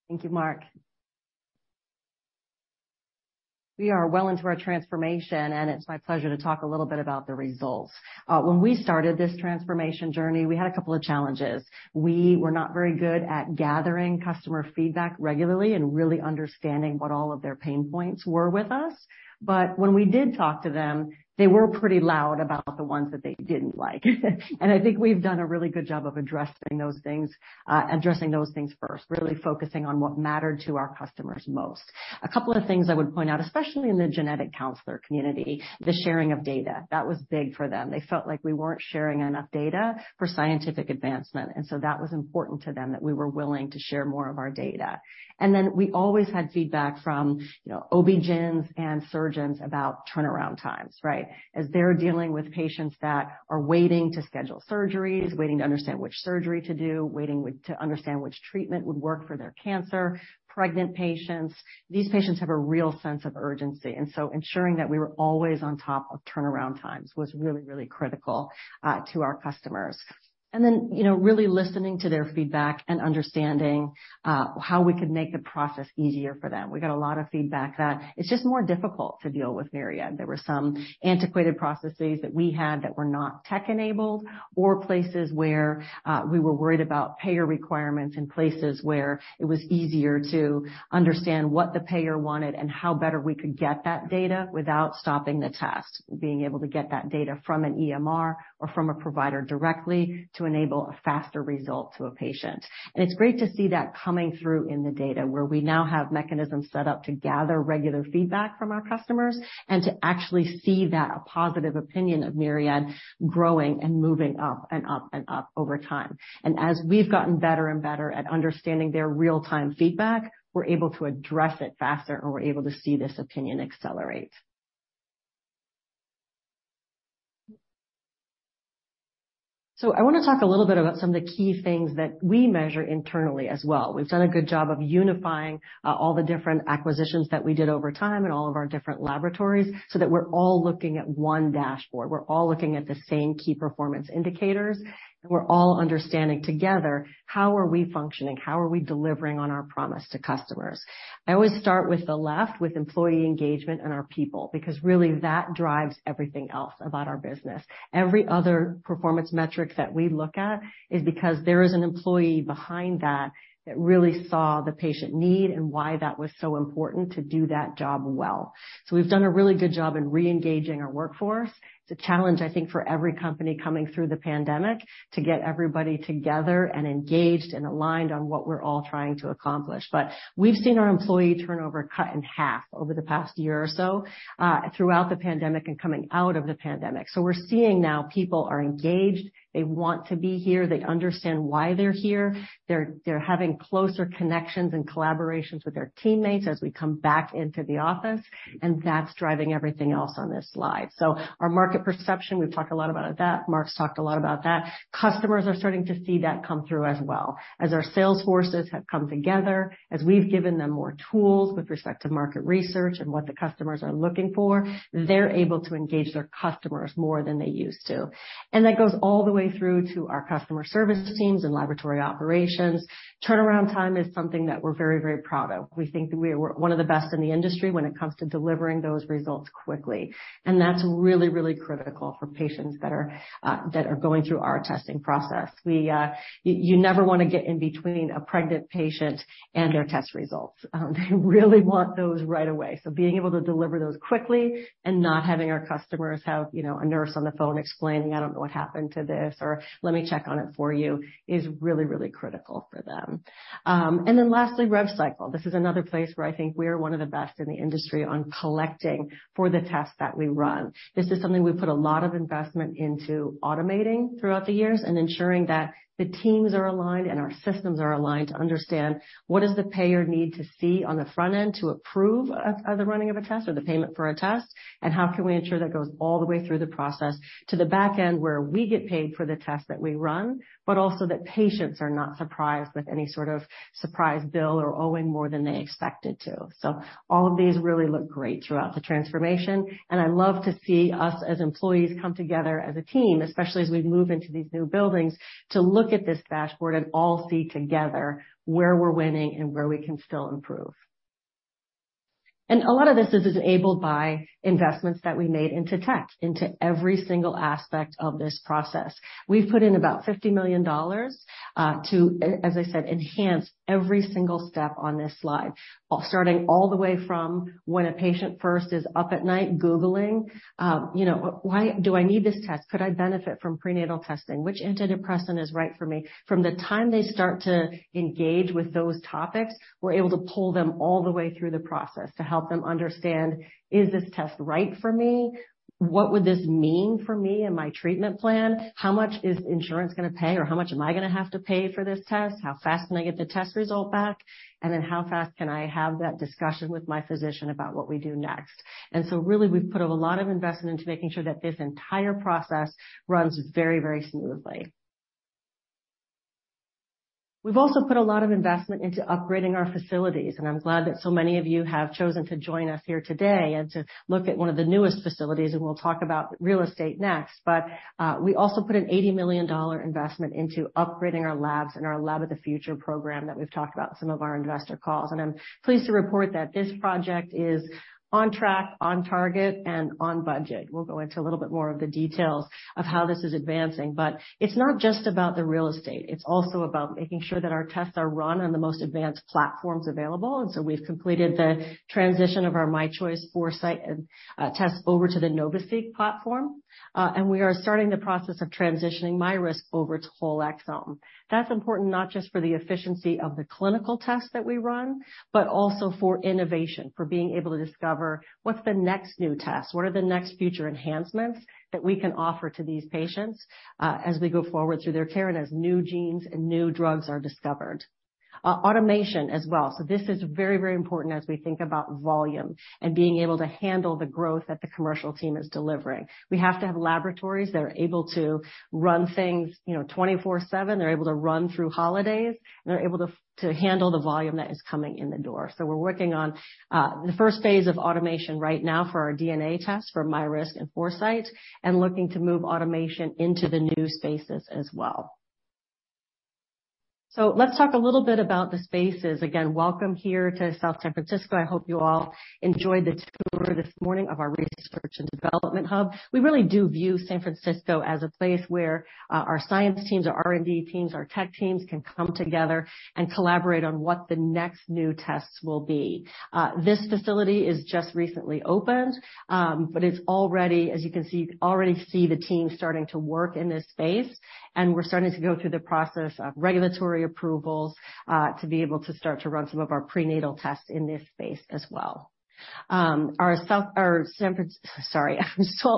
Thank you, Mark. We are well into our transformation, and it's my pleasure to talk a little bit about the results. When we started this transformation journey, we had a couple of challenges. We were not very good at gathering customer feedback regularly and really understanding what all of their pain points were with us. But when we did talk to them, they were pretty loud about the ones that they didn't like. And I think we've done a really good job of addressing those things, addressing those things first, really focusing on what mattered to our customers most. A couple of things I would point out, especially in the genetic counselor community, the sharing of data. That was big for them. They felt like we weren't sharing enough data for scientific advancement, and so that was important to them, that we were willing to share more of our data. And then we always had feedback from, you know, OB-GYNs and surgeons about turnaround times, right? As they're dealing with patients that are waiting to schedule surgeries, waiting to understand which surgery to do, waiting with... to understand which treatment would work for their cancer, pregnant patients. These patients have a real sense of urgency, and so ensuring that we were always on top of turnaround times was really, really critical, to our customers. And then, you know, really listening to their feedback and understanding, how we could make the process easier for them. We got a lot of feedback that it's just more difficult to deal with Myriad. There were some antiquated processes that we had that were not tech-enabled or places where we were worried about payer requirements and places where it was easier to understand what the payer wanted and how better we could get that data without stopping the test, being able to get that data from an EMR or from a provider directly to enable a faster result to a patient. And it's great to see that coming through in the data, where we now have mechanisms set up to gather regular feedback from our customers and to actually see that a positive opinion of Myriad growing and moving up and up and up over time. And as we've gotten better and better at understanding their real-time feedback, we're able to address it faster, and we're able to see this opinion accelerate.... So I want to talk a little bit about some of the key things that we measure internally as well. We've done a good job of unifying, all the different acquisitions that we did over time and all of our different laboratories, so that we're all looking at one dashboard. We're all looking at the same key performance indicators, and we're all understanding together, how are we functioning? How are we delivering on our promise to customers? I always start with the left, with employee engagement and our people, because really, that drives everything else about our business. Every other performance metric that we look at is because there is an employee behind that, that really saw the patient need and why that was so important to do that job well. So we've done a really good job in reengaging our workforce. It's a challenge, I think, for every company coming through the pandemic to get everybody together and engaged and aligned on what we're all trying to accomplish. But we've seen our employee turnover cut in half over the past year or so, throughout the pandemic and coming out of the pandemic. So we're seeing now people are engaged, they want to be here, they understand why they're here. They're, they're having closer connections and collaborations with their teammates as we come back into the office, and that's driving everything else on this slide. So our market perception, we've talked a lot about that. Mark's talked a lot about that. Customers are starting to see that come through as well. As our sales forces have come together, as we've given them more tools with respect to market research and what the customers are looking for, they're able to engage their customers more than they used to. That goes all the way through to our customer service teams and laboratory operations. Turnaround time is something that we're very, very proud of. We think we're one of the best in the industry when it comes to delivering those results quickly, and that's really, really critical for patients that are going through our testing process. You never want to get in between a pregnant patient and their test results. They really want those right away. So being able to deliver those quickly and not having our customers have, you know, a nurse on the phone explaining, "I don't know what happened to this," or, "Let me check on it for you," is really, really critical for them. And then lastly, rev cycle. This is another place where I think we are one of the best in the industry on collecting for the tests that we run. This is something we've put a lot of investment into automating throughout the years and ensuring that the teams are aligned and our systems are aligned to understand what does the payer need to see on the front end to approve of the running of a test or the payment for a test, and how can we ensure that goes all the way through the process to the back end, where we get paid for the test that we run, but also that patients are not surprised with any sort of surprise bill or owing more than they expected to. So all of these really look great throughout the transformation, and I love to see us, as employees, come together as a team, especially as we move into these new buildings, to look at this dashboard and all see together where we're winning and where we can still improve. A lot of this is enabled by investments that we made into tech, into every single aspect of this process. We've put in about $50 million, to, as I said, enhance every single step on this slide, starting all the way from when a patient first is up at night googling, you know, "Why do I need this test? Could I benefit from prenatal testing? Which antidepressant is right for me?" From the time they start to engage with those topics, we're able to pull them all the way through the process to help them understand, "Is this test right for me? What would this mean for me and my treatment plan? How much is insurance going to pay, or how much am I going to have to pay for this test? How fast can I get the test result back? And then how fast can I have that discussion with my physician about what we do next?" And so really, we've put a lot of investment into making sure that this entire process runs very, very smoothly. We've also put a lot of investment into upgrading our facilities, and I'm glad that so many of you have chosen to join us here today and to look at one of the newest facilities, and we'll talk about real estate next. But, we also put an $80 million investment into upgrading our labs and our Lab of the Future program that we've talked about in some of our investor calls. And I'm pleased to report that this project is on track, on target, and on budget. We'll go into a little bit more of the details of how this is advancing, but it's not just about the real estate. It's also about making sure that our tests are run on the most advanced platforms available, and so we've completed the transition of our MyChoice, Foresight test over to the NovaSeq platform. And we are starting the process of transitioning MyRisk over to whole exome. That's important not just for the efficiency of the clinical tests that we run, but also for innovation, for being able to discover what's the next new test, what are the next future enhancements that we can offer to these patients, as we go forward through their care and as new genes and new drugs are discovered. Automation as well. So this is very, very important as we think about volume and being able to handle the growth that the commercial team is delivering. We have to have laboratories that are able to run things, you know, 24/7. They're able to run through holidays, and they're able to handle the volume that is coming in the door. So we're working on the first phase of automation right now for our DNA tests, for MyRisk and Foresight, and looking to move automation into the new spaces as well. So let's talk a little bit about the spaces. Again, welcome here to South San Francisco. I hope you all enjoyed the tour this morning of our research and development hub. We really do view San Francisco as a place where our science teams, our R&D teams, our tech teams, can come together and collaborate on what the next new tests will be. This facility is just recently opened, but it's already, as you can see, the team starting to work in this space, and we're starting to go through the process of regulatory approvals, to be able to start to run some of our prenatal tests in this space as well. Our Salt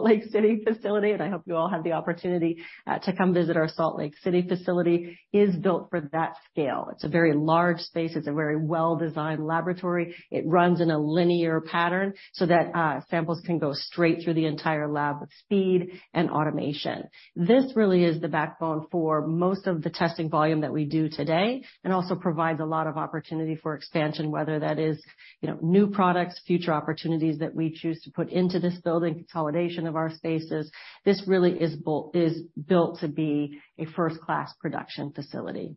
Lake City facility, and I hope you all have the opportunity, to come visit our Salt Lake City facility, is built for that scale. It's a very large space. It's a very well-designed laboratory. It runs in a linear pattern so that, samples can go straight through the entire lab with speed and automation. This really is the backbone for most of the testing volume that we do today and also provides a lot of opportunity for expansion, whether that is, you know, new products, future opportunities that we choose to put into this building, consolidation of our spaces. This really is built to be a first-class production facility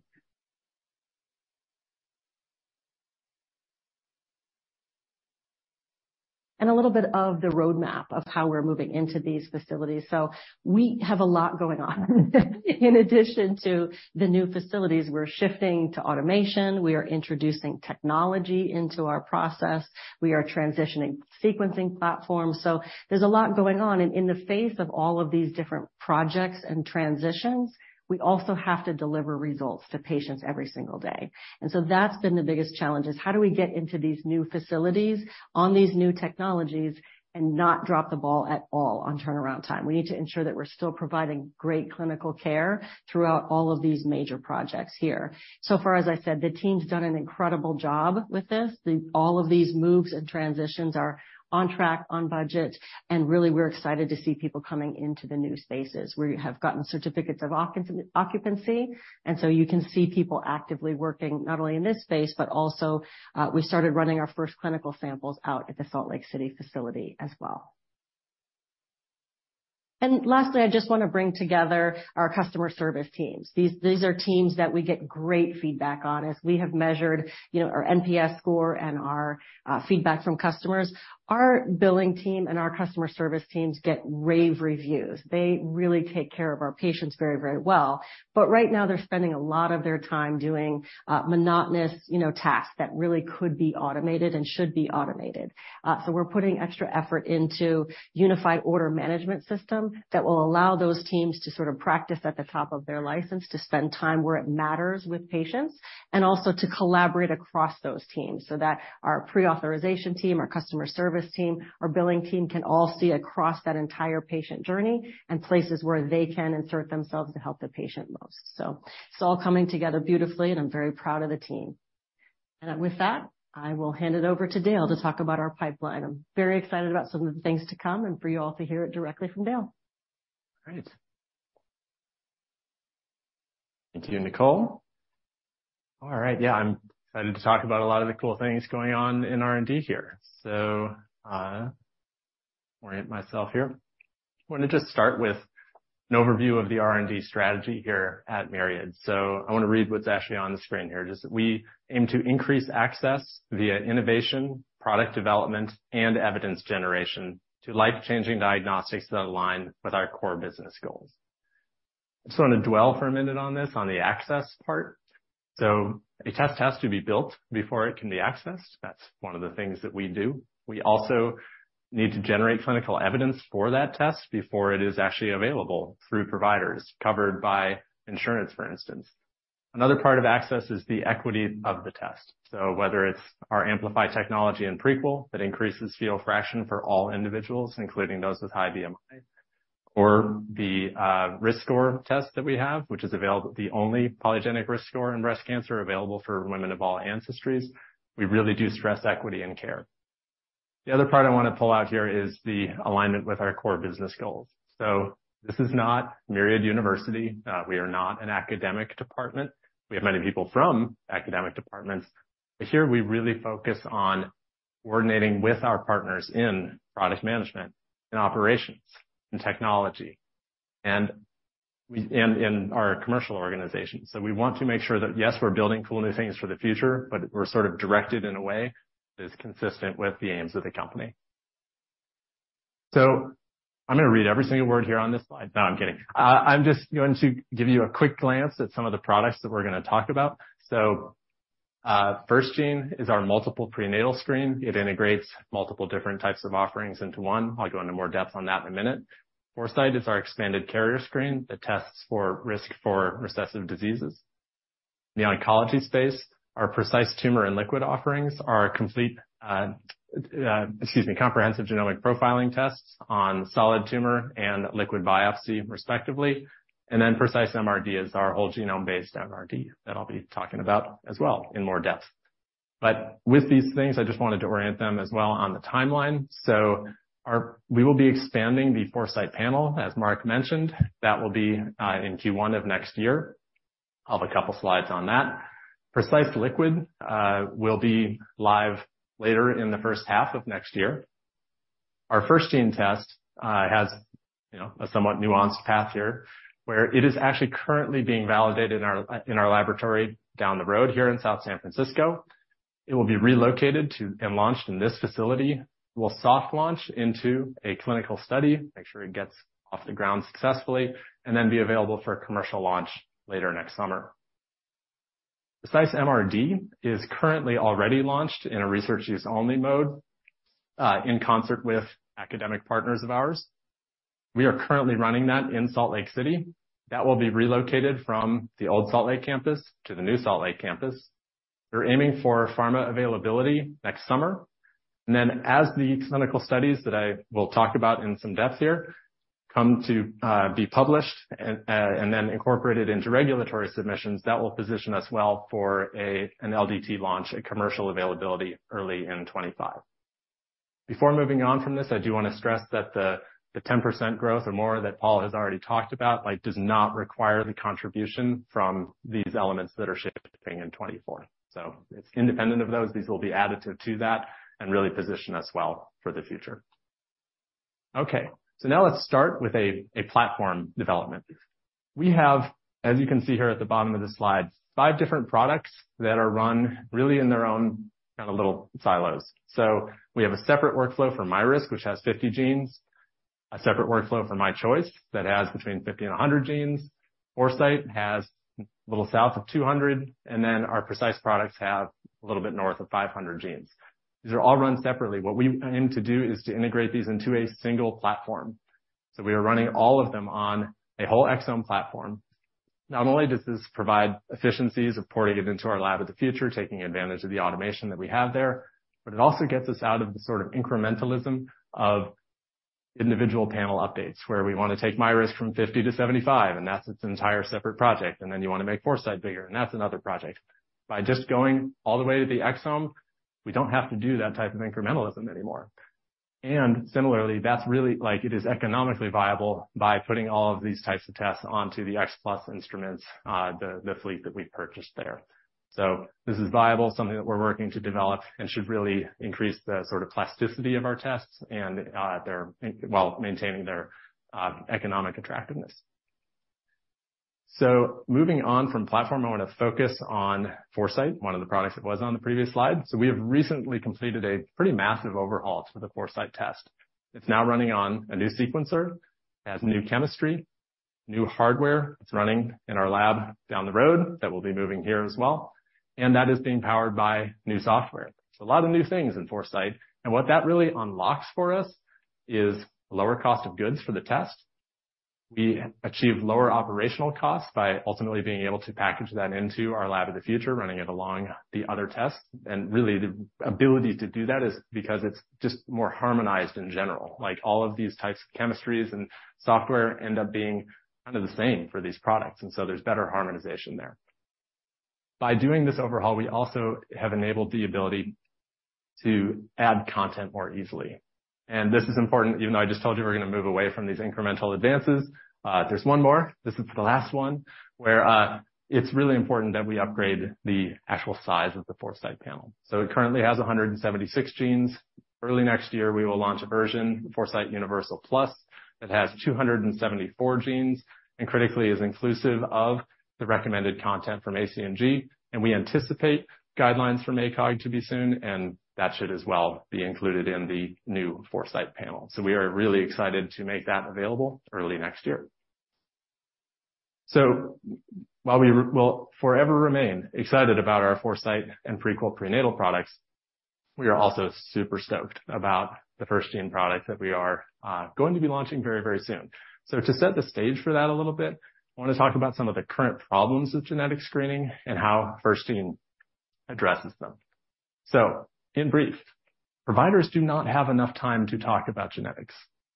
and a little bit of the roadmap of how we're moving into these facilities. So we have a lot going on. In addition to the new facilities, we're shifting to automation, we are introducing technology into our process, we are transitioning sequencing platforms. So there's a lot going on, and in the face of all of these different projects and transitions, we also have to deliver results to patients every single day. And so that's been the biggest challenge, is how do we get into these new facilities, on these new technologies, and not drop the ball at all on turnaround time? We need to ensure that we're still providing great clinical care throughout all of these major projects here. So far, as I said, the team's done an incredible job with this. The, all of these moves and transitions are on track, on budget, and really, we're excited to see people coming into the new spaces. We have gotten certificates of occupancy, and so you can see people actively working, not only in this space, but also, we started running our first clinical samples out at the Salt Lake City facility as well. And lastly, I just want to bring together our customer service teams. These are teams that we get great feedback on as we have measured, you know, our NPS score and our feedback from customers. Our billing team and our customer service teams get rave reviews. They really take care of our patients very, very well. But right now, they're spending a lot of their time doing monotonous, you know, tasks that really could be automated and should be automated. So we're putting extra effort into unified order management system that will allow those teams to sort of practice at the top of their license, to spend time where it matters with patients, and also to collaborate across those teams so that our pre-authorization team, our customer service team, our billing team, can all see across that entire patient journey and places where they can insert themselves to help the patient most. It's all coming together beautifully, and I'm very proud of the team. With that, I will hand it over to Dale to talk about our pipeline. I'm very excited about some of the things to come and for you all to hear it directly from Dale. Great. Thank you, Nicole. All right, yeah, I'm excited to talk about a lot of the cool things going on in R&D here. So, orient myself here. I want to just start with an overview of the R&D strategy here at Myriad. So I want to read what's actually on the screen here. Just, we aim to increase access via innovation, product development, and evidence generation to life-changing diagnostics that align with our core business goals. Just want to dwell for a minute on this, on the access part. So a test has to be built before it can be accessed. That's one of the things that we do. We also need to generate clinical evidence for that test before it is actually available through providers, covered by insurance, for instance. Another part of access is the equity of the test. So whether it's our Amplify technology in Prequel, that increases fetal fraction for all individuals, including those with high BMI, or the RiskScore test that we have, which is available, the only polygenic RiskScore in breast cancer available for women of all ancestries. We really do stress equity in care. The other part I want to pull out here is the alignment with our core business goals. This is not Myriad University. We are not an academic department. We have many people from academic departments, but here we really focus on coordinating with our partners in product management and operations and technology, and our commercial organization. So we want to make sure that, yes, we're building cool new things for the future, but we're sort of directed in a way that is consistent with the aims of the company. So I'm going to read every single word here on this slide. No, I'm kidding. I'm just going to give you a quick glance at some of the products that we're going to talk about. So, FirstGene is our multiple prenatal screen. It integrates multiple different types of offerings into one. I'll go into more depth on that in a minute. Foresight is our expanded carrier screen that tests for risk for recessive diseases. In the oncology space, our Precise Tumor and Precise Liquid offerings are complete, excuse me, comprehensive genomic profiling tests on solid tumor and liquid biopsy, respectively. And then Precise MRD is our whole-genome-based MRD that I'll be talking about as well in more depth. But with these things, I just wanted to orient them as well on the timeline. So we will be expanding the Foresight panel, as Mark mentioned. That will be in Q1 of next year. I'll have a couple of slides on that. Precise Liquid will be live later in the first half of next year. Our FirstGene test has, you know, a somewhat nuanced path here, where it is actually currently being validated in our laboratory down the road here in South San Francisco. It will be relocated to and launched in this facility. We'll soft launch into a clinical study, make sure it gets off the ground successfully, and then be available for a commercial launch later next summer. Precise MRD is currently already launched in a research-use-only mode in concert with academic partners of ours. We are currently running that in Salt Lake City. That will be relocated from the old Salt Lake campus to the new Salt Lake campus. We're aiming for pharma availability next summer, and then as the clinical studies that I will talk about in some depth here come to be published and then incorporated into regulatory submissions, that will position us well for an LDT launch, a commercial availability early in 25. Before moving on from this, I do want to stress that the 10% growth or more that Paul has already talked about, like, does not require the contribution from these elements that are shipping in 24. So it's independent of those. These will be additive to that and really position us well for the future.... Okay, so now let's start with a platform development. We have, as you can see here at the bottom of the slide, five different products that are run really in their own kind of little silos. So we have a separate workflow for MyRisk, which has 50 genes, a separate workflow for MyChoice that has between 50 and 100 genes. Foresight has a little south of 200, and then our Precise products have a little bit north of 500 genes. These are all run separately. What we aim to do is to integrate these into a single platform. So we are running all of them on a whole exome platform. Not only does this provide efficiencies of porting it into our Lab of the Future, taking advantage of the automation that we have there, but it also gets us out of the sort of incrementalism of individual panel updates, where we want to take MyRisk from 50 to 75, and that's its entire separate project. And then you want to make Foresight bigger, and that's another project. By just going all the way to the exome, we don't have to do that type of incrementalism anymore. Similarly, that's really like it is economically viable by putting all of these types of tests onto the X Plus instruments, the fleet that we purchased there. This is viable, something that we're working to develop and should really increase the sort of plasticity of our tests and their-- while maintaining their economic attractiveness. Moving on from platform, I want to focus on Foresight, one of the products that was on the previous slide. We have recently completed a pretty massive overhaul to the Foresight test. It's now running on a new sequencer, has new chemistry, new hardware. It's running in our lab down the road that will be moving here as well, and that is being powered by new software. So a lot of new things in Foresight, and what that really unlocks for us is lower cost of goods for the test. We achieve lower operational costs by ultimately being able to package that into our Lab of the Future, running it along the other tests. And really, the ability to do that is because it's just more harmonized in general. Like all of these types of chemistries and software end up being kind of the same for these products, and so there's better harmonization there. By doing this overhaul, we also have enabled the ability to add content more easily. And this is important. Even though I just told you, we're going to move away from these incremental advances, there's one more. This is the last one, where it's really important that we upgrade the actual size of the Foresight panel. So it currently has 176 genes. Early next year, we will launch a version, Foresight Universal Plus, that has 274 genes and critically is inclusive of the recommended content from ACMG, and we anticipate guidelines from ACOG to be soon, and that should as well be included in the new Foresight panel. So we are really excited to make that available early next year. So while we will forever remain excited about our Foresight and Prequel prenatal products, we are also super stoked about the FirstGene product that we are going to be launching very, very soon. So to set the stage for that a little bit, I want to talk about some of the current problems with genetic screening and how FirstGene addresses them. So in brief, providers do not have enough time to talk about genetics.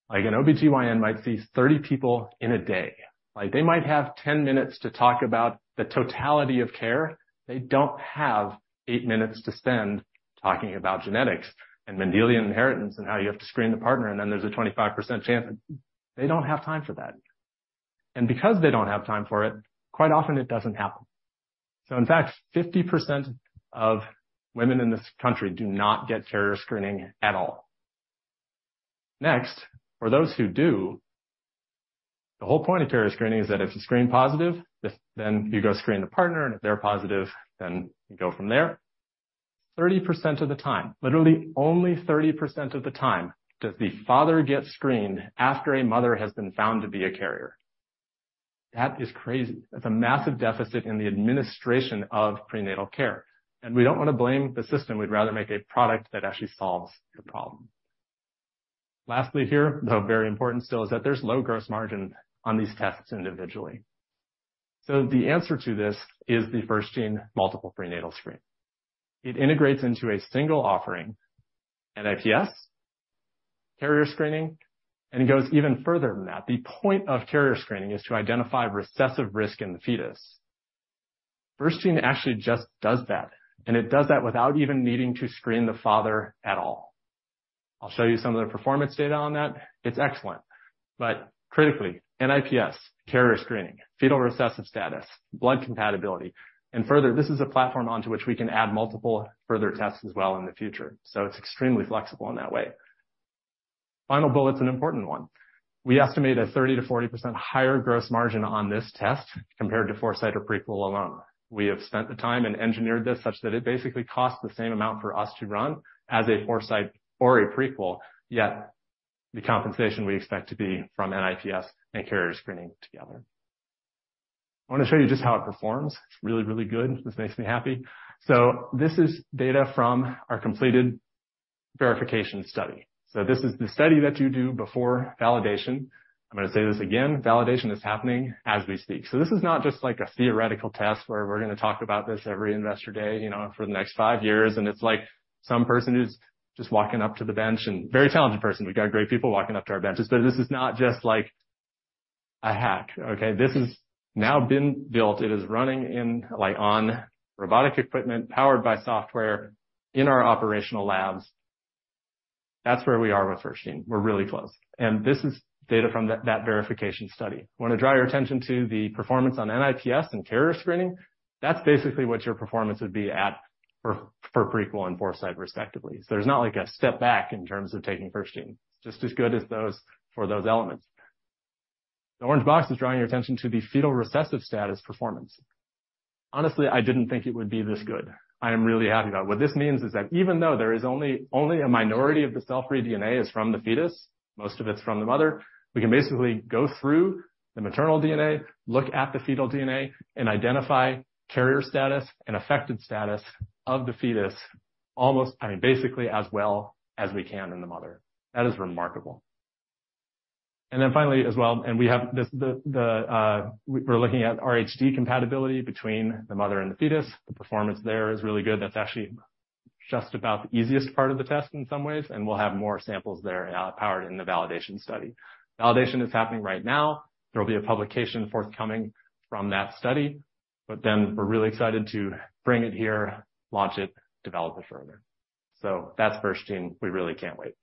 Like an OB-GYN might see 30 people in a day. Like, they might have 10 minutes to talk about the totality of care. They don't have 8 minutes to spend talking about genetics and Mendelian inheritance and how you have to screen the partner, and then there's a 25% chance... They don't have time for that. Because they don't have time for it, quite often it doesn't happen. In fact, 50% of women in this country do not get carrier screening at all. Next, for those who do, the whole point of carrier screening is that if you screen positive, if then you go screen the partner, and if they're positive, then you go from there. 30% of the time, literally only 30% of the time, does the father get screened after a mother has been found to be a carrier. That is crazy. That's a massive deficit in the administration of prenatal care, and we don't want to blame the system. We'd rather make a product that actually solves the problem. Lastly here, though very important still, is that there's low gross margin on these tests individually. So the answer to this is the FirstGene multiple prenatal screen. It integrates into a single offering, NIPS, carrier screening, and it goes even further than that. The point of carrier screening is to identify recessive risk in the fetus. FirstGene actually just does that, and it does that without even needing to screen the father at all. I'll show you some of the performance data on that. It's excellent, but critically, NIPS, carrier screening, fetal recessive status, blood compatibility, and further, this is a platform onto which we can add multiple further tests as well in the future. It's extremely flexible in that way. Final bullet's an important one. We estimate a 30%-40% higher gross margin on this test compared to Foresight or Prequel alone. We have spent the time and engineered this such that it basically costs the same amount for us to run as a Foresight or a Prequel, yet the compensation we expect to be from NIPS and carrier screening together. I want to show you just how it performs. It's really, really good. This makes me happy. This is data from our completed verification study. This is the study that you do before validation. I'm going to say this again, validation is happening as we speak. So this is not just like a theoretical test where we're going to talk about this every investor day, you know, for the next five years, and it's like some person who's just walking up to the bench, and very talented person. We've got great people walking up to our benches, but this is not just like a hack, okay? This is now been built. It is running in, like, on robotic equipment, powered by software in our operational labs. That's where we are with FirstGene. We're really close, and this is data from that, that verification study. I want to draw your attention to the performance on NIPS and carrier screening. That's basically what your performance would be at-... for, for Prequel and Foresight respectively. So there's not like a step back in terms of taking FirstGene, it's just as good as those for those elements. The orange box is drawing your attention to the fetal recessive status performance. Honestly, I didn't think it would be this good. I am really happy about it. What this means is that even though there is only, only a minority of the cell-free DNA is from the fetus, most of it's from the mother, we can basically go through the maternal DNA, look at the fetal DNA, and identify carrier status and affected status of the fetus, almost, I mean, basically as well as we can in the mother. That is remarkable. And then finally, as well, and we have this, we're looking at RHD compatibility between the mother and the fetus. The performance there is really good. That's actually just about the easiest part of the test in some ways, and we'll have more samples there, powered in the validation study. Validation is happening right now. There will be a publication forthcoming from that study, but then we're really excited to bring it here, launch it, develop it further. So that's FirstGene. We really can't wait.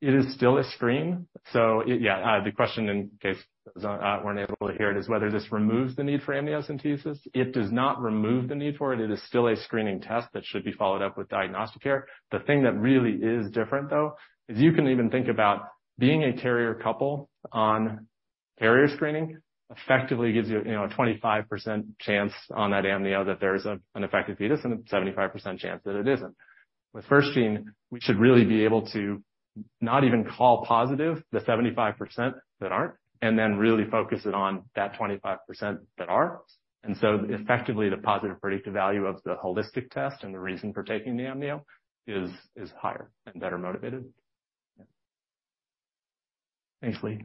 It is still a screen. So yeah, the question, in case weren't able to hear it, is whether this removes the need for amniocentesis. It does not remove the need for it. It is still a screening test that should be followed up with diagnostic care. The thing that really is different, though, is you can even think about being a carrier couple on carrier screening effectively gives you, you know, a 25% chance on that amnio that there's a, an affected fetus and a 75% chance that it isn't. With FirstGene, we should really be able to not even call positive the 75% that aren't, and then really focus it on that 25% that are. And so effectively, the positive predictive value of the holistic test and the reason for taking the amnio is higher and better motivated. Thanks, Lee.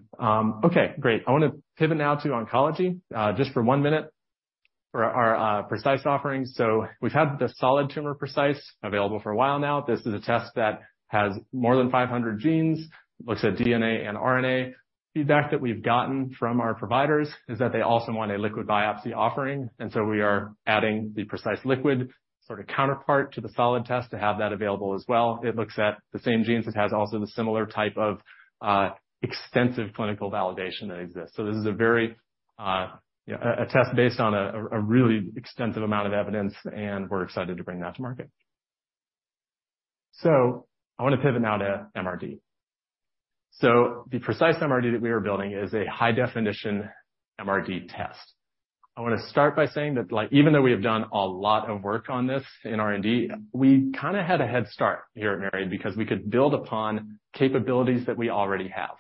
Okay, great. I want to pivot now to oncology, just for one minute for our Precise offerings. So we've had the solid tumor Precise available for a while now. This is a test that has more than 500 genes, looks at DNA and RNA. Feedback that we've gotten from our providers is that they also want a liquid biopsy offering, and so we are adding the Precise Liquid sort of counterpart to the solid test to have that available as well. It looks at the same genes. It has also the similar type of extensive clinical validation that exists. So this is a very a test based on a really extensive amount of evidence, and we're excited to bring that to market. So I want to pivot now to MRD. So the Precise MRD that we are building is a high-definition MRD test. I want to start by saying that like, even though we have done a lot of work on this in R&D, we kind of had a head start here at Myriad because we could build upon capabilities that we already have.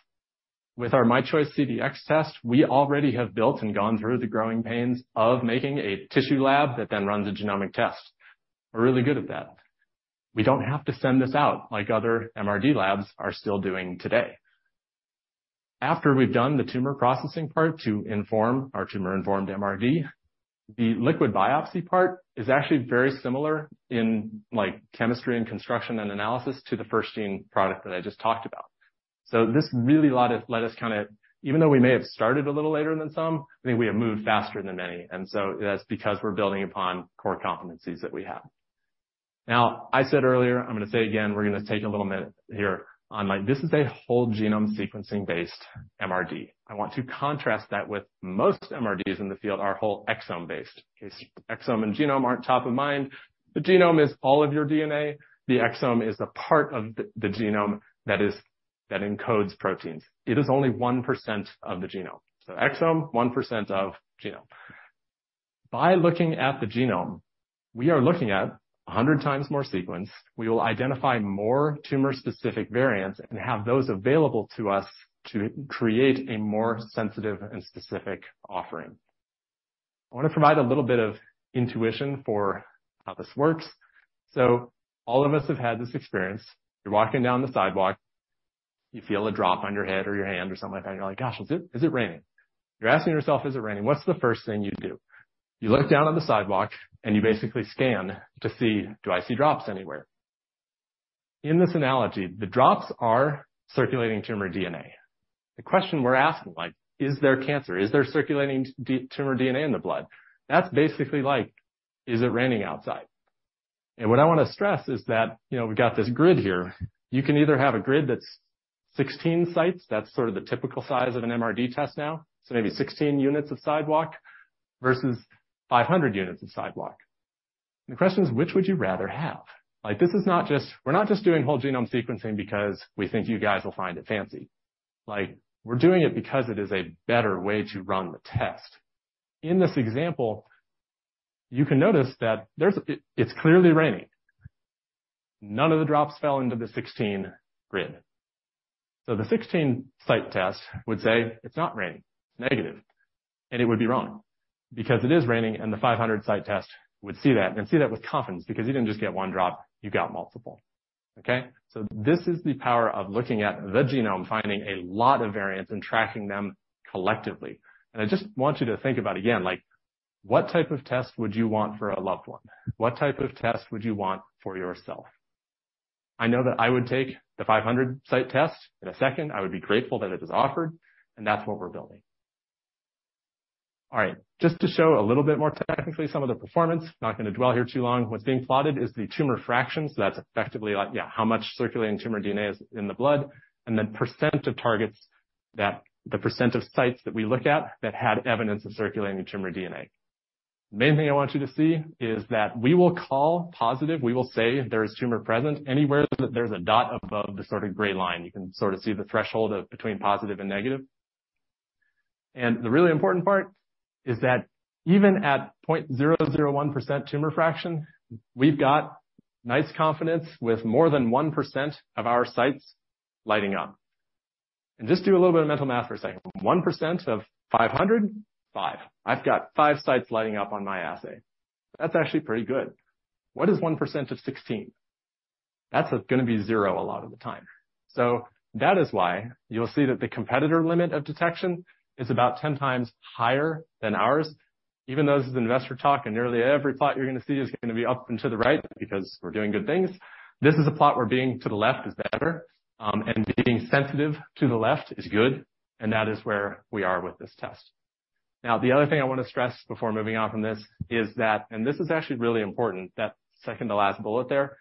With our MyChoice CDx test, we already have built and gone through the growing pains of making a tissue lab that then runs a genomic test. We're really good at that. We don't have to send this out like other MRD labs are still doing today. After we've done the tumor processing part to inform our tumor-informed MRD, the liquid biopsy part is actually very similar in like, chemistry and construction and analysis to the FirstGene product that I just talked about. So this really allowed us—let us kind of—even though we may have started a little later than some, I think we have moved faster than many, and so that's because we're building upon core competencies that we have. Now, I said earlier, I'm going to say again, we're going to take a little minute here on like... This is a whole-genome sequencing-based MRD. I want to contrast that with most MRDs in the field are whole exome-based. Exome and genome aren't top of mind. The genome is all of your DNA. The exome is the part of the genome that encodes proteins. It is only 1% of the genome, so exome, 1% of genome. By looking at the genome, we are looking at 100 times more sequence. We will identify more tumor-specific variants and have those available to us to create a more sensitive and specific offering. I want to provide a little bit of intuition for how this works. So all of us have had this experience. You're walking down the sidewalk, you feel a drop on your head or your hand or something like that, you're like, "Gosh, is it, is it raining?" You're asking yourself, "Is it raining?" What's the first thing you do? You look down on the sidewalk, and you basically scan to see, do I see drops anywhere? In this analogy, the drops are circulating tumor DNA. The question we're asking, like, is there cancer? Is there circulating ctDNA in the blood? That's basically like, is it raining outside? And what I want to stress is that, you know, we've got this grid here. You can either have a grid that's 16 sites, that's sort of the typical size of an MRD test now, so maybe 16 units of sidewalk versus 500 units of sidewalk. The question is, which would you rather have? Like, this is not just, we're not just doing whole genome sequencing because we think you guys will find it fancy. Like, we're doing it because it is a better way to run the test. In this example, you can notice that there's, it, it's clearly raining. None of the drops fell into the 16 grid. So the 16-site test would say, it's not raining, it's negative, and it would be wrong because it is raining, and the 500-site test would see that and see that with confidence, because you didn't just get one drop, you got multiple. Okay, so this is the power of looking at the genome, finding a lot of variants and tracking them collectively. And I just want you to think about, again, like, what type of test would you want for a loved one? What type of test would you want for yourself? I know that I would take the 500-site test in a second. I would be grateful that it was offered, and that's what we're building. All right, just to show a little bit more technically, some of the performance, not going to dwell here too long. What's being plotted is the tumor fraction. So that's effectively like, yeah, how much circulating tumor DNA is in the blood, and then percent of targets that—the percent of sites that we look at that had evidence of circulating tumor DNA. Main thing I want you to see is that we will call positive, we will say there is tumor present anywhere that there's a dot above the sort of gray line. You can sort of see the threshold of between positive and negative. And the really important part is that even at 0.001% tumor fraction, we've got nice confidence with more than 1% of our sites lighting up. And just do a little bit of mental math for a second. 1% of 500, 5. I've got 5 sites lighting up on my assay. That's actually pretty good. What is 1% of 16? That's going to be zero a lot of the time. So that is why you'll see that the competitor limit of detection is about 10 times higher than ours, even though this is investor talk, and nearly every plot you're going to see is going to be up and to the right, because we're doing good things. This is a plot where being to the left is better, and being sensitive to the left is good, and that is where we are with this test. Now, the other thing I want to stress before moving on from this is that, and this is actually really important, that second to last bullet there,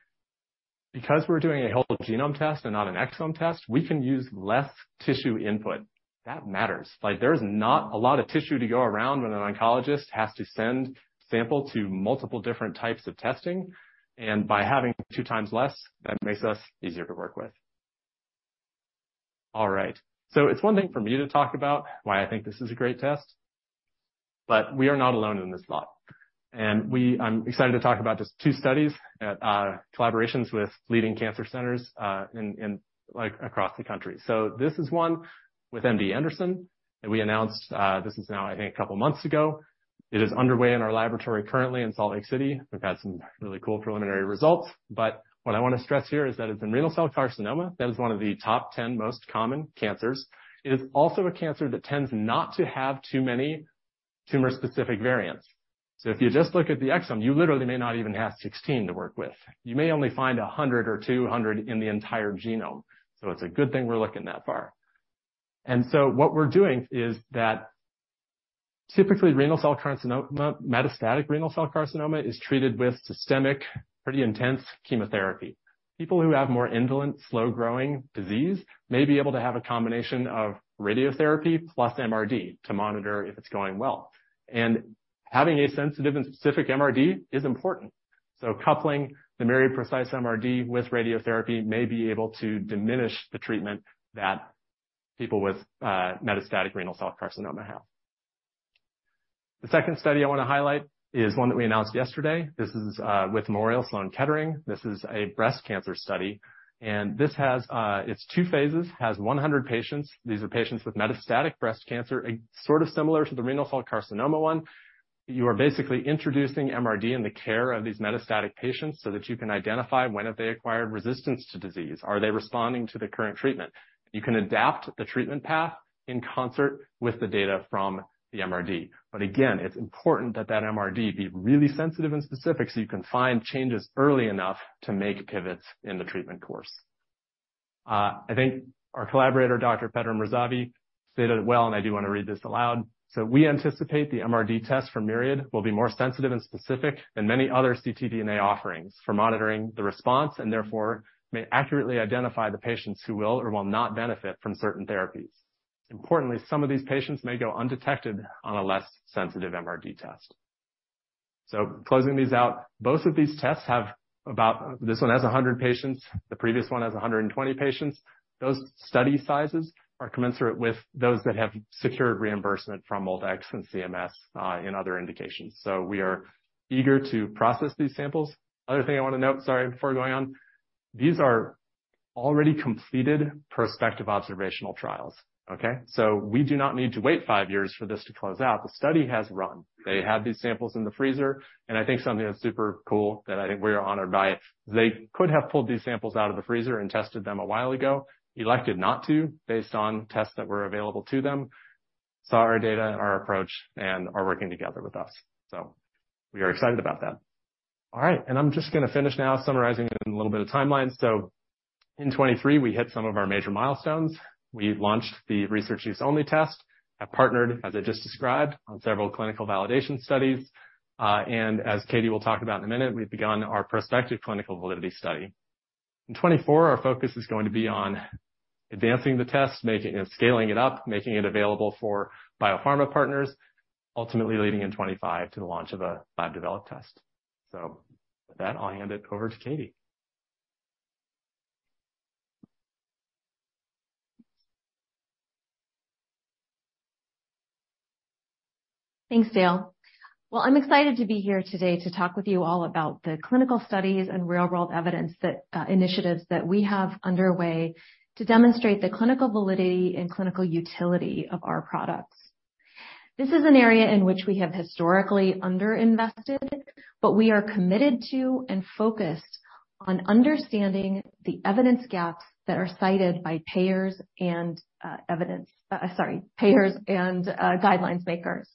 because we're doing a whole genome test and not an exome test, we can use less tissue input. That matters. Like, there's not a lot of tissue to go around when an oncologist has to send sample to multiple different types of testing, and by having two times less, that makes us easier to work with. All right, so it's one thing for me to talk about why I think this is a great test, but we are not alone in this thought. I'm excited to talk about just two studies at collaborations with leading cancer centers in like across the country. So this is one with MD Anderson, and we announced this is now, I think, a couple of months ago. It is underway in our laboratory currently in Salt Lake City. We've had some really cool preliminary results, but what I want to stress here is that it's in renal cell carcinoma. That is one of the top ten most common cancers. It is also a cancer that tends not to have too many tumor-specific variants. If you just look at the exome, you literally may not even have 16 to work with. You may only find 100 or 200 in the entire genome. It's a good thing we're looking that far. What we're doing is that typically, renal cell carcinoma—metastatic renal cell carcinoma is treated with systemic, pretty intense chemotherapy. People who have more indolent, slow-growing disease may be able to have a combination of radiotherapy plus MRD to monitor if it's going well. Having a sensitive and specific MRD is important. Coupling the Myriad Precise MRD with radiotherapy may be able to diminish the treatment that people with metastatic renal cell carcinoma have. The second study I want to highlight is one that we announced yesterday. This is with Memorial Sloan Kettering. This is a breast cancer study, and this has its two phases, has 100 patients. These are patients with metastatic breast cancer, sort of similar to the renal cell carcinoma one. You are basically introducing MRD in the care of these metastatic patients so that you can identify when have they acquired resistance to disease? Are they responding to the current treatment? You can adapt the treatment path in concert with the data from the MRD, but again, it's important that that MRD be really sensitive and specific, so you can find changes early enough to make pivots in the treatment course. I think our collaborator, Dr. Pedram Razavi stated it well, and I do want to read this aloud: "So we anticipate the MRD test for Myriad will be more sensitive and specific than many other ctDNA offerings for monitoring the response, and therefore may accurately identify the patients who will or will not benefit from certain therapies. Importantly, some of these patients may go undetected on a less sensitive MRD test." So closing these out, both of these tests have about... This one has 100 patients, the previous one has 120 patients. Those study sizes are commensurate with those that have secured reimbursement from MolDX and CMS in other indications, so we are eager to process these samples. Other thing I want to note, sorry, before going on, these are already completed prospective observational trials, okay? So we do not need to wait 5 years for this to close out. The study has run. They have these samples in the freezer, and I think something that's super cool, that I think we are honored by it, they could have pulled these samples out of the freezer and tested them a while ago, elected not to, based on tests that were available to them, saw our data, our approach, and are working together with us. So we are excited about that. All right, and I'm just going to finish now, summarizing in a little bit of timeline. So in 2023, we hit some of our major milestones. We launched the Research Use Only test, have partnered, as I just described, on several clinical validation studies, and as Katie will talk about in a minute, we've begun our prospective clinical validity study. In 2024, our focus is going to be on advancing the test, making, and scaling it up, making it available for biopharma partners, ultimately leading in 2025 to the launch of a lab-developed test. With that, I'll hand it over to Katie. Thanks, Dale. Well, I'm excited to be here today to talk with you all about the clinical studies and real-world evidence initiatives that we have underway to demonstrate the clinical validity and clinical utility of our products. This is an area in which we have historically underinvested, but we are committed to and focused on understanding the evidence gaps that are cited by payers and evidence, sorry, payers and guidelines makers.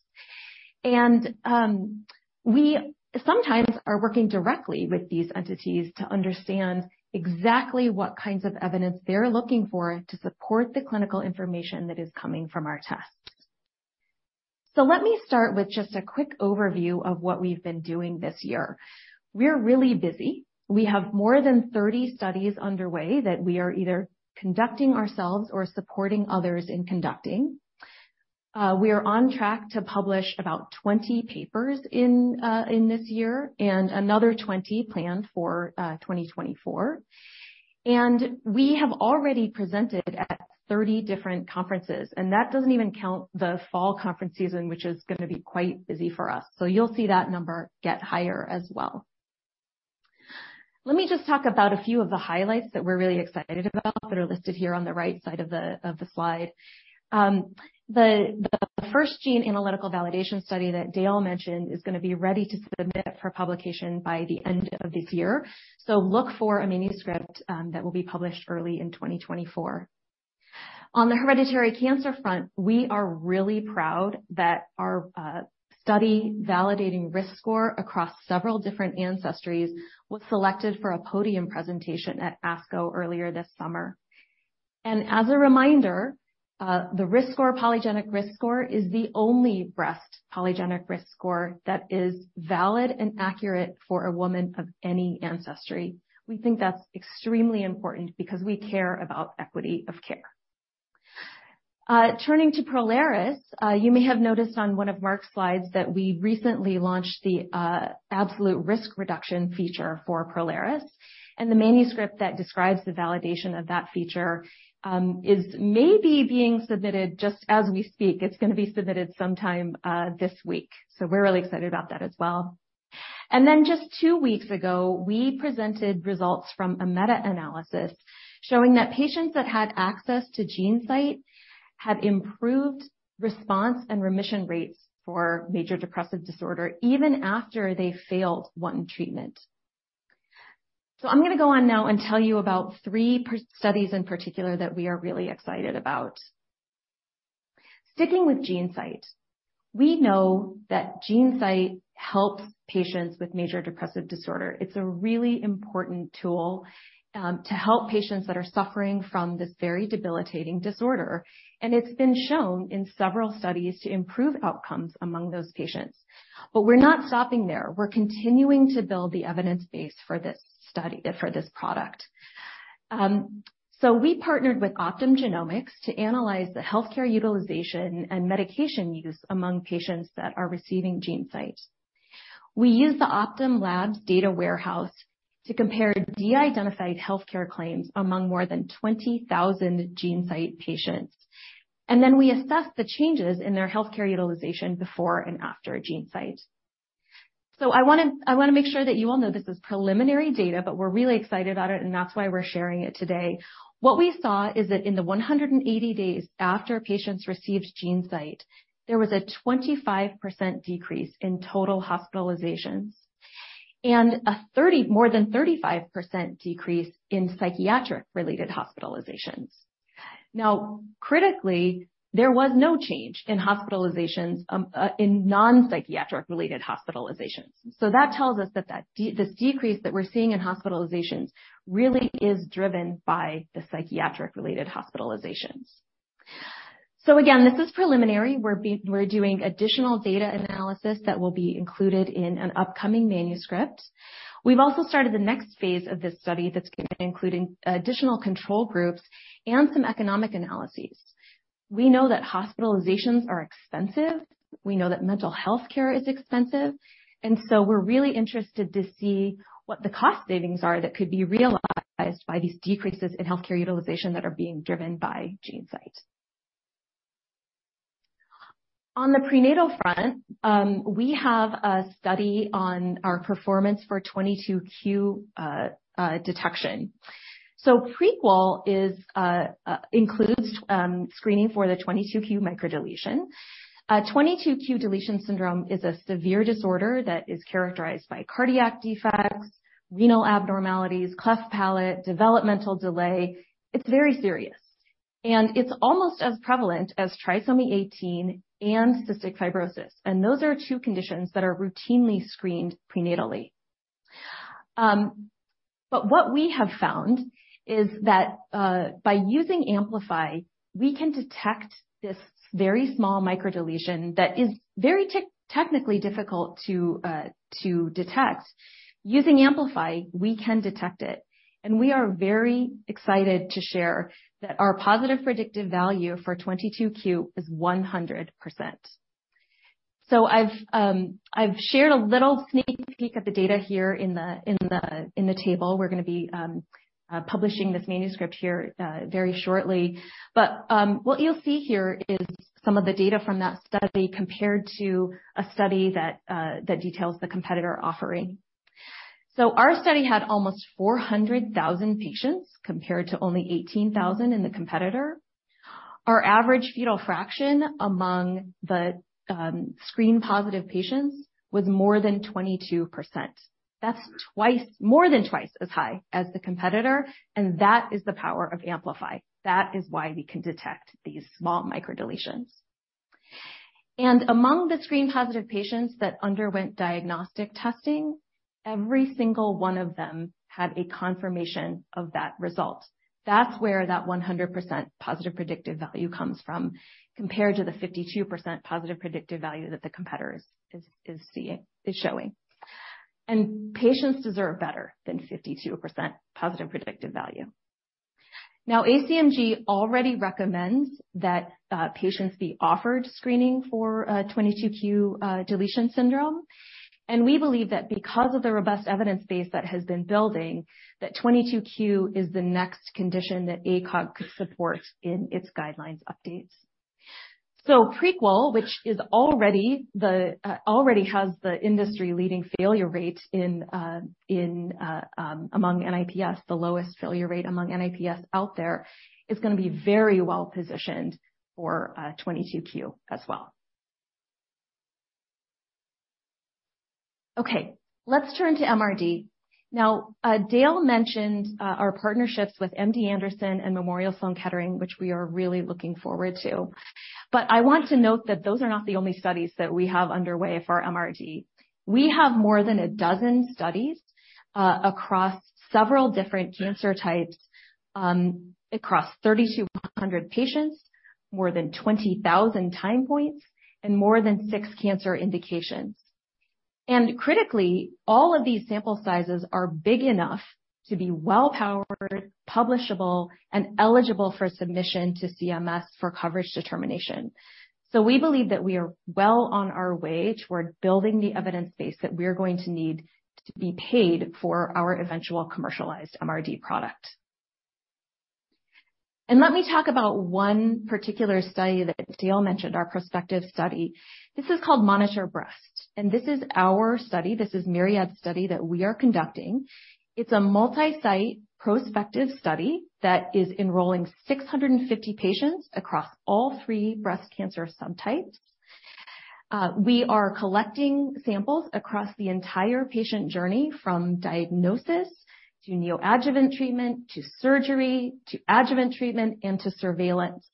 We sometimes are working directly with these entities to understand exactly what kinds of evidence they're looking for to support the clinical information that is coming from our tests. Let me start with just a quick overview of what we've been doing this year. We are really busy. We have more than 30 studies underway that we are either conducting ourselves or supporting others in conducting.... We are on track to publish about 20 papers in this year and another 20 planned for 2024. We have already presented at 30 different conferences, and that doesn't even count the fall conference season, which is going to be quite busy for us. You'll see that number get higher as well. Let me just talk about a few of the highlights that we're really excited about that are listed here on the right side of the slide. The FirstGene analytical validation study that Dale mentioned is going to be ready to submit for publication by the end of this year. Look for a manuscript that will be published early in 2024. On the hereditary cancer front, we are really proud that our study validating RiskScore across several different ancestries was selected for a podium presentation at ASCO earlier this summer. As a reminder, the RiskScore, polygenic RiskScore, is the only breast polygenic RiskScore that is valid and accurate for a woman of any ancestry. We think that's extremely important because we care about equity of care. Turning to Prolaris, you may have noticed on one of Mark's slides that we recently launched the absolute risk reduction feature for Prolaris, and the manuscript that describes the validation of that feature is maybe being submitted just as we speak. It's going to be submitted sometime this week, so we're really excited about that as well. And then just two weeks ago, we presented results from a meta-analysis showing that patients that had access to GeneSight had improved response and remission rates for major depressive disorder, even after they failed one treatment. So I'm going to go on now and tell you about three peer-reviewed studies in particular that we are really excited about. Sticking with GeneSight, we know that GeneSight helps patients with major depressive disorder. It's a really important tool to help patients that are suffering from this very debilitating disorder, and it's been shown in several studies to improve outcomes among those patients. But we're not stopping there. We're continuing to build the evidence base for this study, for this product. So we partnered with Optum Genomics to analyze the healthcare utilization and medication use among patients that are receiving GeneSight. We used the Optum Labs' data warehouse to compare de-identified healthcare claims among more than 20,000 GeneSight patients, and then we assessed the changes in their healthcare utilization before and after GeneSight. So I want to, I want to make sure that you all know this is preliminary data, but we're really excited about it, and that's why we're sharing it today. What we saw is that in the 180 days after patients received GeneSight, there was a 25% decrease in total hospitalizations and a more than 35% decrease in psychiatric-related hospitalizations. Now, critically, there was no change in hospitalizations in non-psychiatric-related hospitalizations. So that tells us that this decrease that we're seeing in hospitalizations really is driven by the psychiatric-related hospitalizations. So again, this is preliminary. We're doing additional data analysis that will be included in an upcoming manuscript. We've also started the next phase of this study that's going to include additional control groups and some economic analyses. We know that hospitalizations are expensive. We know that mental health care is expensive, and we're really interested to see what the cost savings are that could be realized by these decreases in healthcare utilization that are being driven by GeneSight. On the prenatal front, we have a study on our performance for 22q detection. Prequel includes screening for the 22q microdeletion. 22q deletion syndrome is a severe disorder that is characterized by cardiac defects, renal abnormalities, cleft palate, developmental delay. It's very serious, and it's almost as prevalent as trisomy 18 and cystic fibrosis, and those are two conditions that are routinely screened prenatally. But what we have found is that by using Amplify, we can detect this very small microdeletion that is very technically difficult to detect. Using Amplify, we can detect it, and we are very excited to share that our positive predictive value for 22q is 100%. So I've shared a little sneak peek at the data here in the table. We're going to be publishing this manuscript here very shortly. But what you'll see here is some of the data from that study compared to a study that details the competitor offering. Our study had almost 400,000 patients, compared to only 18,000 in the competitor. Our average fetal fraction among the screen positive patients was more than 22%. That's more than twice as high as the competitor, and that is the power of Amplify. That is why we can detect these small microdeletions. Among the screen positive patients that underwent diagnostic testing, every single one of them had a confirmation of that result. That's where that 100% positive predictive value comes from, compared to the 52% positive predictive value that the competitor is seeing, is showing. Patients deserve better than 52% positive predictive value. ACMG already recommends that patients be offered screening for 22q deletion syndrome. We believe that because of the robust evidence base that has been building, that 22q is the next condition that ACOG could support in its guidelines updates. So Prequel, which is already the already has the industry-leading failure rate in, in, among NIPS, the lowest failure rate among NIPS out there, is going to be very well-positioned for 22q as well. Okay, let's turn to MRD. Now, Dale mentioned our partnerships with MD Anderson and Memorial Sloan Kettering, which we are really looking forward to. But I want to note that those are not the only studies that we have underway for MRD. We have more than a dozen studies across several different cancer types, across 3,200 patients, more than 20,000 time points, and more than six cancer indications. Critically, all of these sample sizes are big enough to be well-powered, publishable, and eligible for submission to CMS for coverage determination. So we believe that we are well on our way toward building the evidence base that we are going to need to be paid for our eventual commercialized MRD product. Let me talk about one particular study that Dale mentioned, our prospective study. This is called MONITOR Breast, and this is our study. This is Myriad's study that we are conducting. It's a multi-site prospective study that is enrolling 650 patients across all three breast cancer subtypes. We are collecting samples across the entire patient journey, from diagnosis to neoadjuvant treatment, to surgery, to adjuvant treatment, and to surveillance.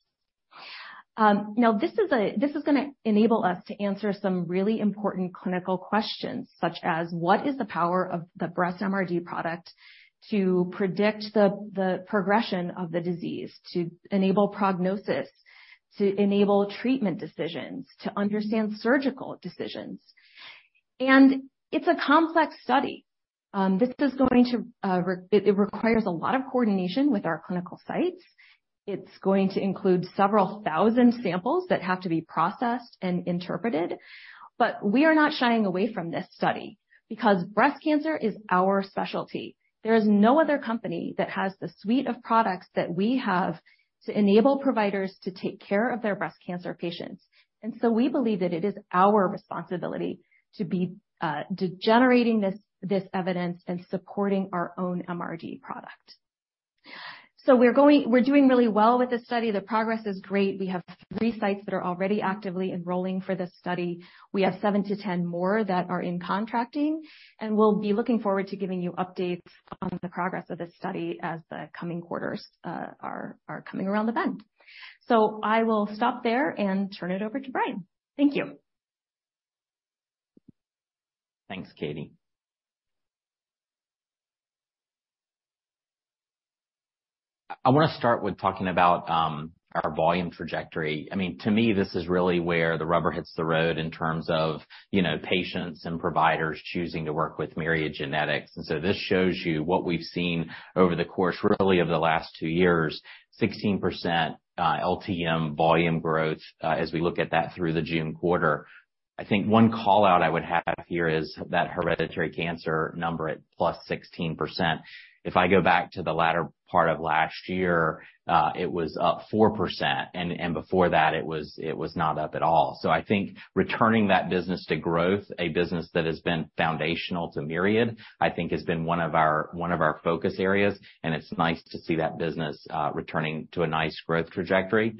Now, this is going to enable us to answer some really important clinical questions, such as: What is the power of the breast MRD product to predict the progression of the disease, to enable prognosis, to enable treatment decisions, to understand surgical decisions? And it's a complex study. This is going to. It requires a lot of coordination with our clinical sites. It's going to include several thousand samples that have to be processed and interpreted. But we are not shying away from this study because breast cancer is our specialty. There is no other company that has the suite of products that we have to enable providers to take care of their breast cancer patients. And so we believe that it is our responsibility to be generating this evidence and supporting our own MRD product. So we're doing really well with this study. The progress is great. We have three sites that are already actively enrolling for this study. We have 7-10 more that are in contracting, and we'll be looking forward to giving you updates on the progress of this study as the coming quarters are coming around the bend. So I will stop there and turn it over to Bryan. Thank you. Thanks, Katie. I want to start with talking about our volume trajectory. I mean, to me, this is really where the rubber hits the road in terms of, you know, patients and providers choosing to work with Myriad Genetics. And so this shows you what we've seen over the course, really, of the last two years, 16%, LTM volume growth, as we look at that through the June quarter. I think one call-out I would have here is that hereditary cancer number at +16%. If I go back to the latter part of last year, it was up 4%, and before that, it was not up at all. So I think returning that business to growth, a business that has been foundational to Myriad, I think has been one of our, one of our focus areas, and it's nice to see that business, returning to a nice growth trajectory.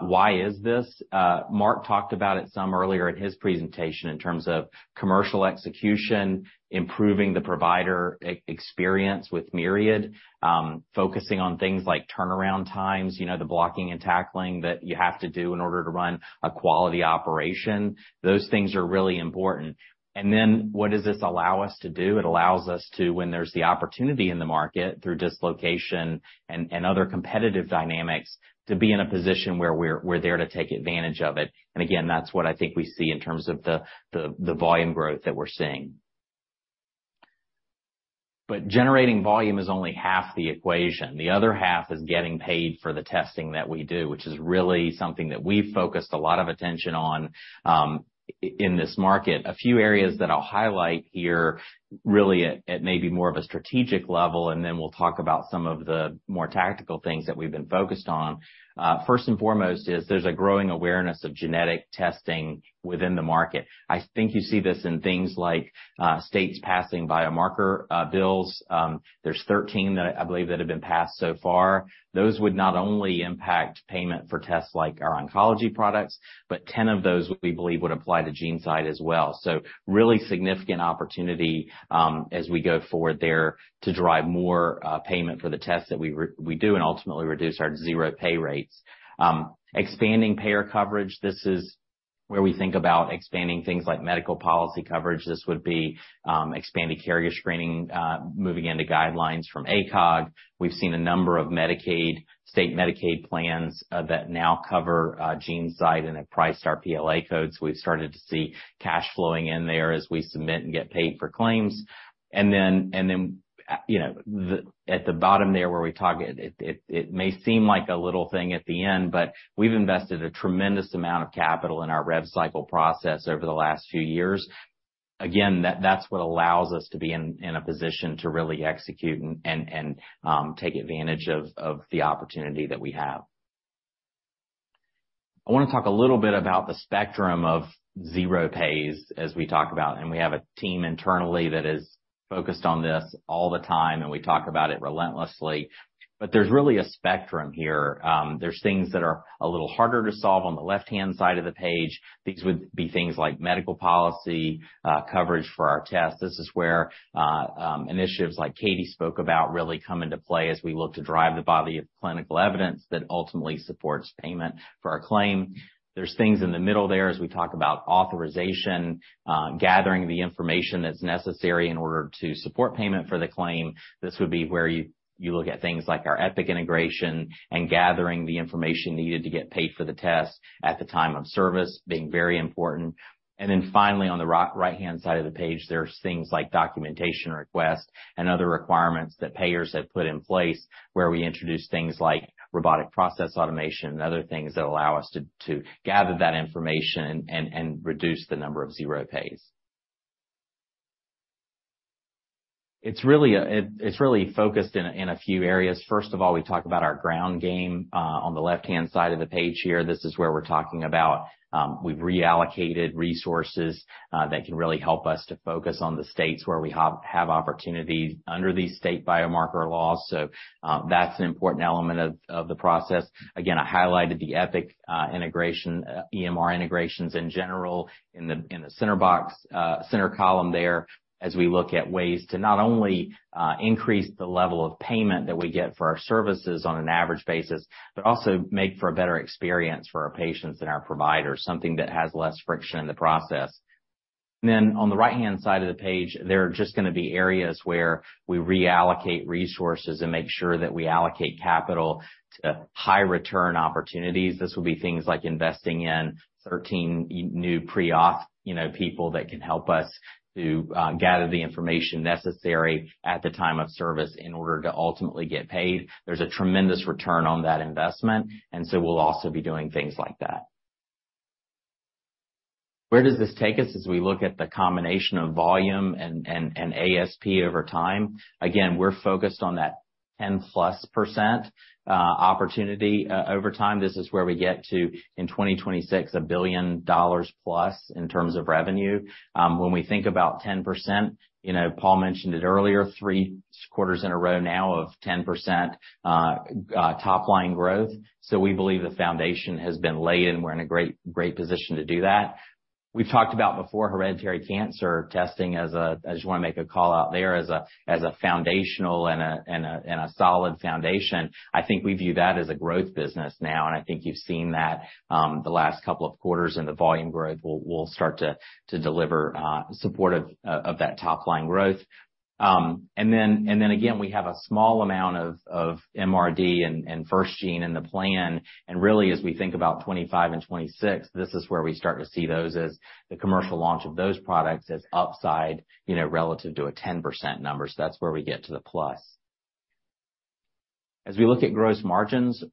Why is this? Mark talked about it some earlier in his presentation in terms of commercial execution, improving the provider experience with Myriad, focusing on things like turnaround times, you know, the blocking and tackling that you have to do in order to run a quality operation. Those things are really important. And then what does this allow us to do? It allows us to, when there's the opportunity in the market through dislocation and, and other competitive dynamics, to be in a position where we're, we're there to take advantage of it. And again, that's what I think we see in terms of the volume growth that we're seeing. But generating volume is only half the equation. The other half is getting paid for the testing that we do, which is really something that we've focused a lot of attention on in this market. A few areas that I'll highlight here, really at maybe more of a strategic level, and then we'll talk about some of the more tactical things that we've been focused on. First and foremost is there's a growing awareness of genetic testing within the market. I think you see this in things like states passing biomarker bills. There's 13 that I believe that have been passed so far. Those would not only impact payment for tests like our oncology products, but 10 of those we believe would apply to GeneSight as well. So really significant opportunity, as we go forward there to drive more payment for the tests that we do and ultimately reduce our zero pay rates. Expanding payer coverage, this is where we think about expanding things like medical policy coverage. This would be expanded carrier screening, moving into guidelines from ACOG. We've seen a number of Medicaid, state Medicaid plans, that now cover GeneSight and have priced our PLA codes. We've started to see cash flowing in there as we submit and get paid for claims. And then... You know, at the bottom there where we target, it may seem like a little thing at the end, but we've invested a tremendous amount of capital in our rev cycle process over the last few years. Again, that's what allows us to be in a position to really execute and take advantage of the opportunity that we have. I wanna talk a little bit about the spectrum of zero pays, as we talk about, and we have a team internally that is focused on this all the time, and we talk about it relentlessly. But there's really a spectrum here. There's things that are a little harder to solve on the left-hand side of the page. These would be things like medical policy, coverage for our test. This is where initiatives like Katie spoke about really come into play as we look to drive the body of clinical evidence that ultimately supports payment for our claim. There's things in the middle there as we talk about authorization, gathering the information that's necessary in order to support payment for the claim. This would be where you look at things like our Epic integration and gathering the information needed to get paid for the test at the time of service, being very important. And then finally, on the far right-hand side of the page, there's things like documentation requests and other requirements that payers have put in place, where we introduce things like robotic process automation and other things that allow us to gather that information and reduce the number of zero pays. It's really, it's really focused in a few areas. First of all, we talk about our ground game on the left-hand side of the page here. This is where we're talking about. We've reallocated resources that can really help us to focus on the states where we have opportunities under these state biomarker laws. So, that's an important element of the process. Again, I highlighted the Epic integration, EMR integrations in general, in the center box, center column there, as we look at ways to not only increase the level of payment that we get for our services on an average basis, but also make for a better experience for our patients and our providers, something that has less friction in the process. On the right-hand side of the page, there are just gonna be areas where we reallocate resources and make sure that we allocate capital to high return opportunities. This will be things like investing in 13 new pre-auth, you know, people that can help us to, you know, gather the information necessary at the time of service in order to ultimately get paid. There's a tremendous return on that investment, and we'll also be doing things like that. Where does this take us as we look at the combination of volume and, and, and ASP over time? Again, we're focused on that 10%+ opportunity. Over time, this is where we get to, in 2026, $1 billion+ in terms of revenue. When we think about 10%, you know, Paul mentioned it earlier, three quarters in a row now of 10%, top line growth. So we believe the foundation has been laid, and we're in a great, great position to do that. We've talked about before, hereditary cancer testing as a foundational and solid foundation. I just wanna make a call out there. I think we view that as a growth business now, and I think you've seen that, the last couple of quarters and the volume growth will start to deliver supportive of that top line growth. And then again, we have a small amount of MRD and FirstGene in the plan. Really, as we think about 2025 and 2026, this is where we start to see those as the commercial launch of those products as upside, you know, relative to a 10% number. So that's where we get to the plus. As we look at gross margins,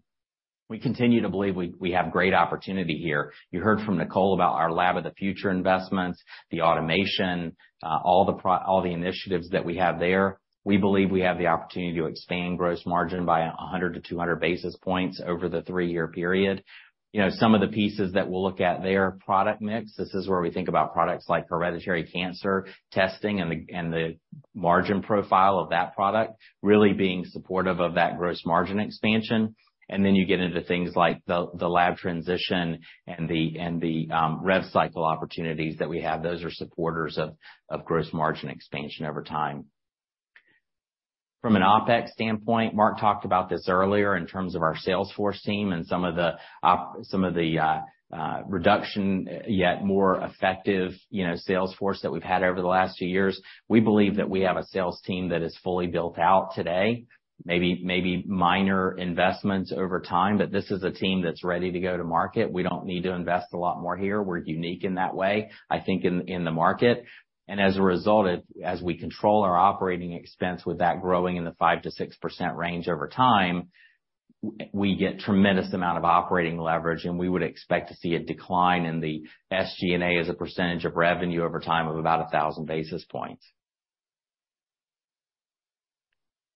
we continue to believe we, we have great opportunity here. You heard from Nicole about our Lab of the Future investments, the automation, all the initiatives that we have there. We believe we have the opportunity to expand gross margin by 100-200 basis points over the three-year period. You know, some of the pieces that we'll look at, their product mix, this is where we think about products like hereditary cancer testing and the, and the margin profile of that product, really being supportive of that gross margin expansion. Then you get into things like the lab transition and the rev cycle opportunities that we have. Those are supporters of gross margin expansion over time. From an OpEx standpoint, Mark talked about this earlier in terms of our sales force team and some of the reduction, yet more effective, you know, sales force that we've had over the last few years. We believe that we have a sales team that is fully built out today, maybe minor investments over time, but this is a team that's ready to go to market. We don't need to invest a lot more here. We're unique in that way, I think, in the market. As a result, as we control our operating expense, with that growing in the 5%-6% range over time, we get a tremendous amount of operating leverage, and we would expect to see a decline in the SG&A as a percentage of revenue over time of about 1,000 basis points.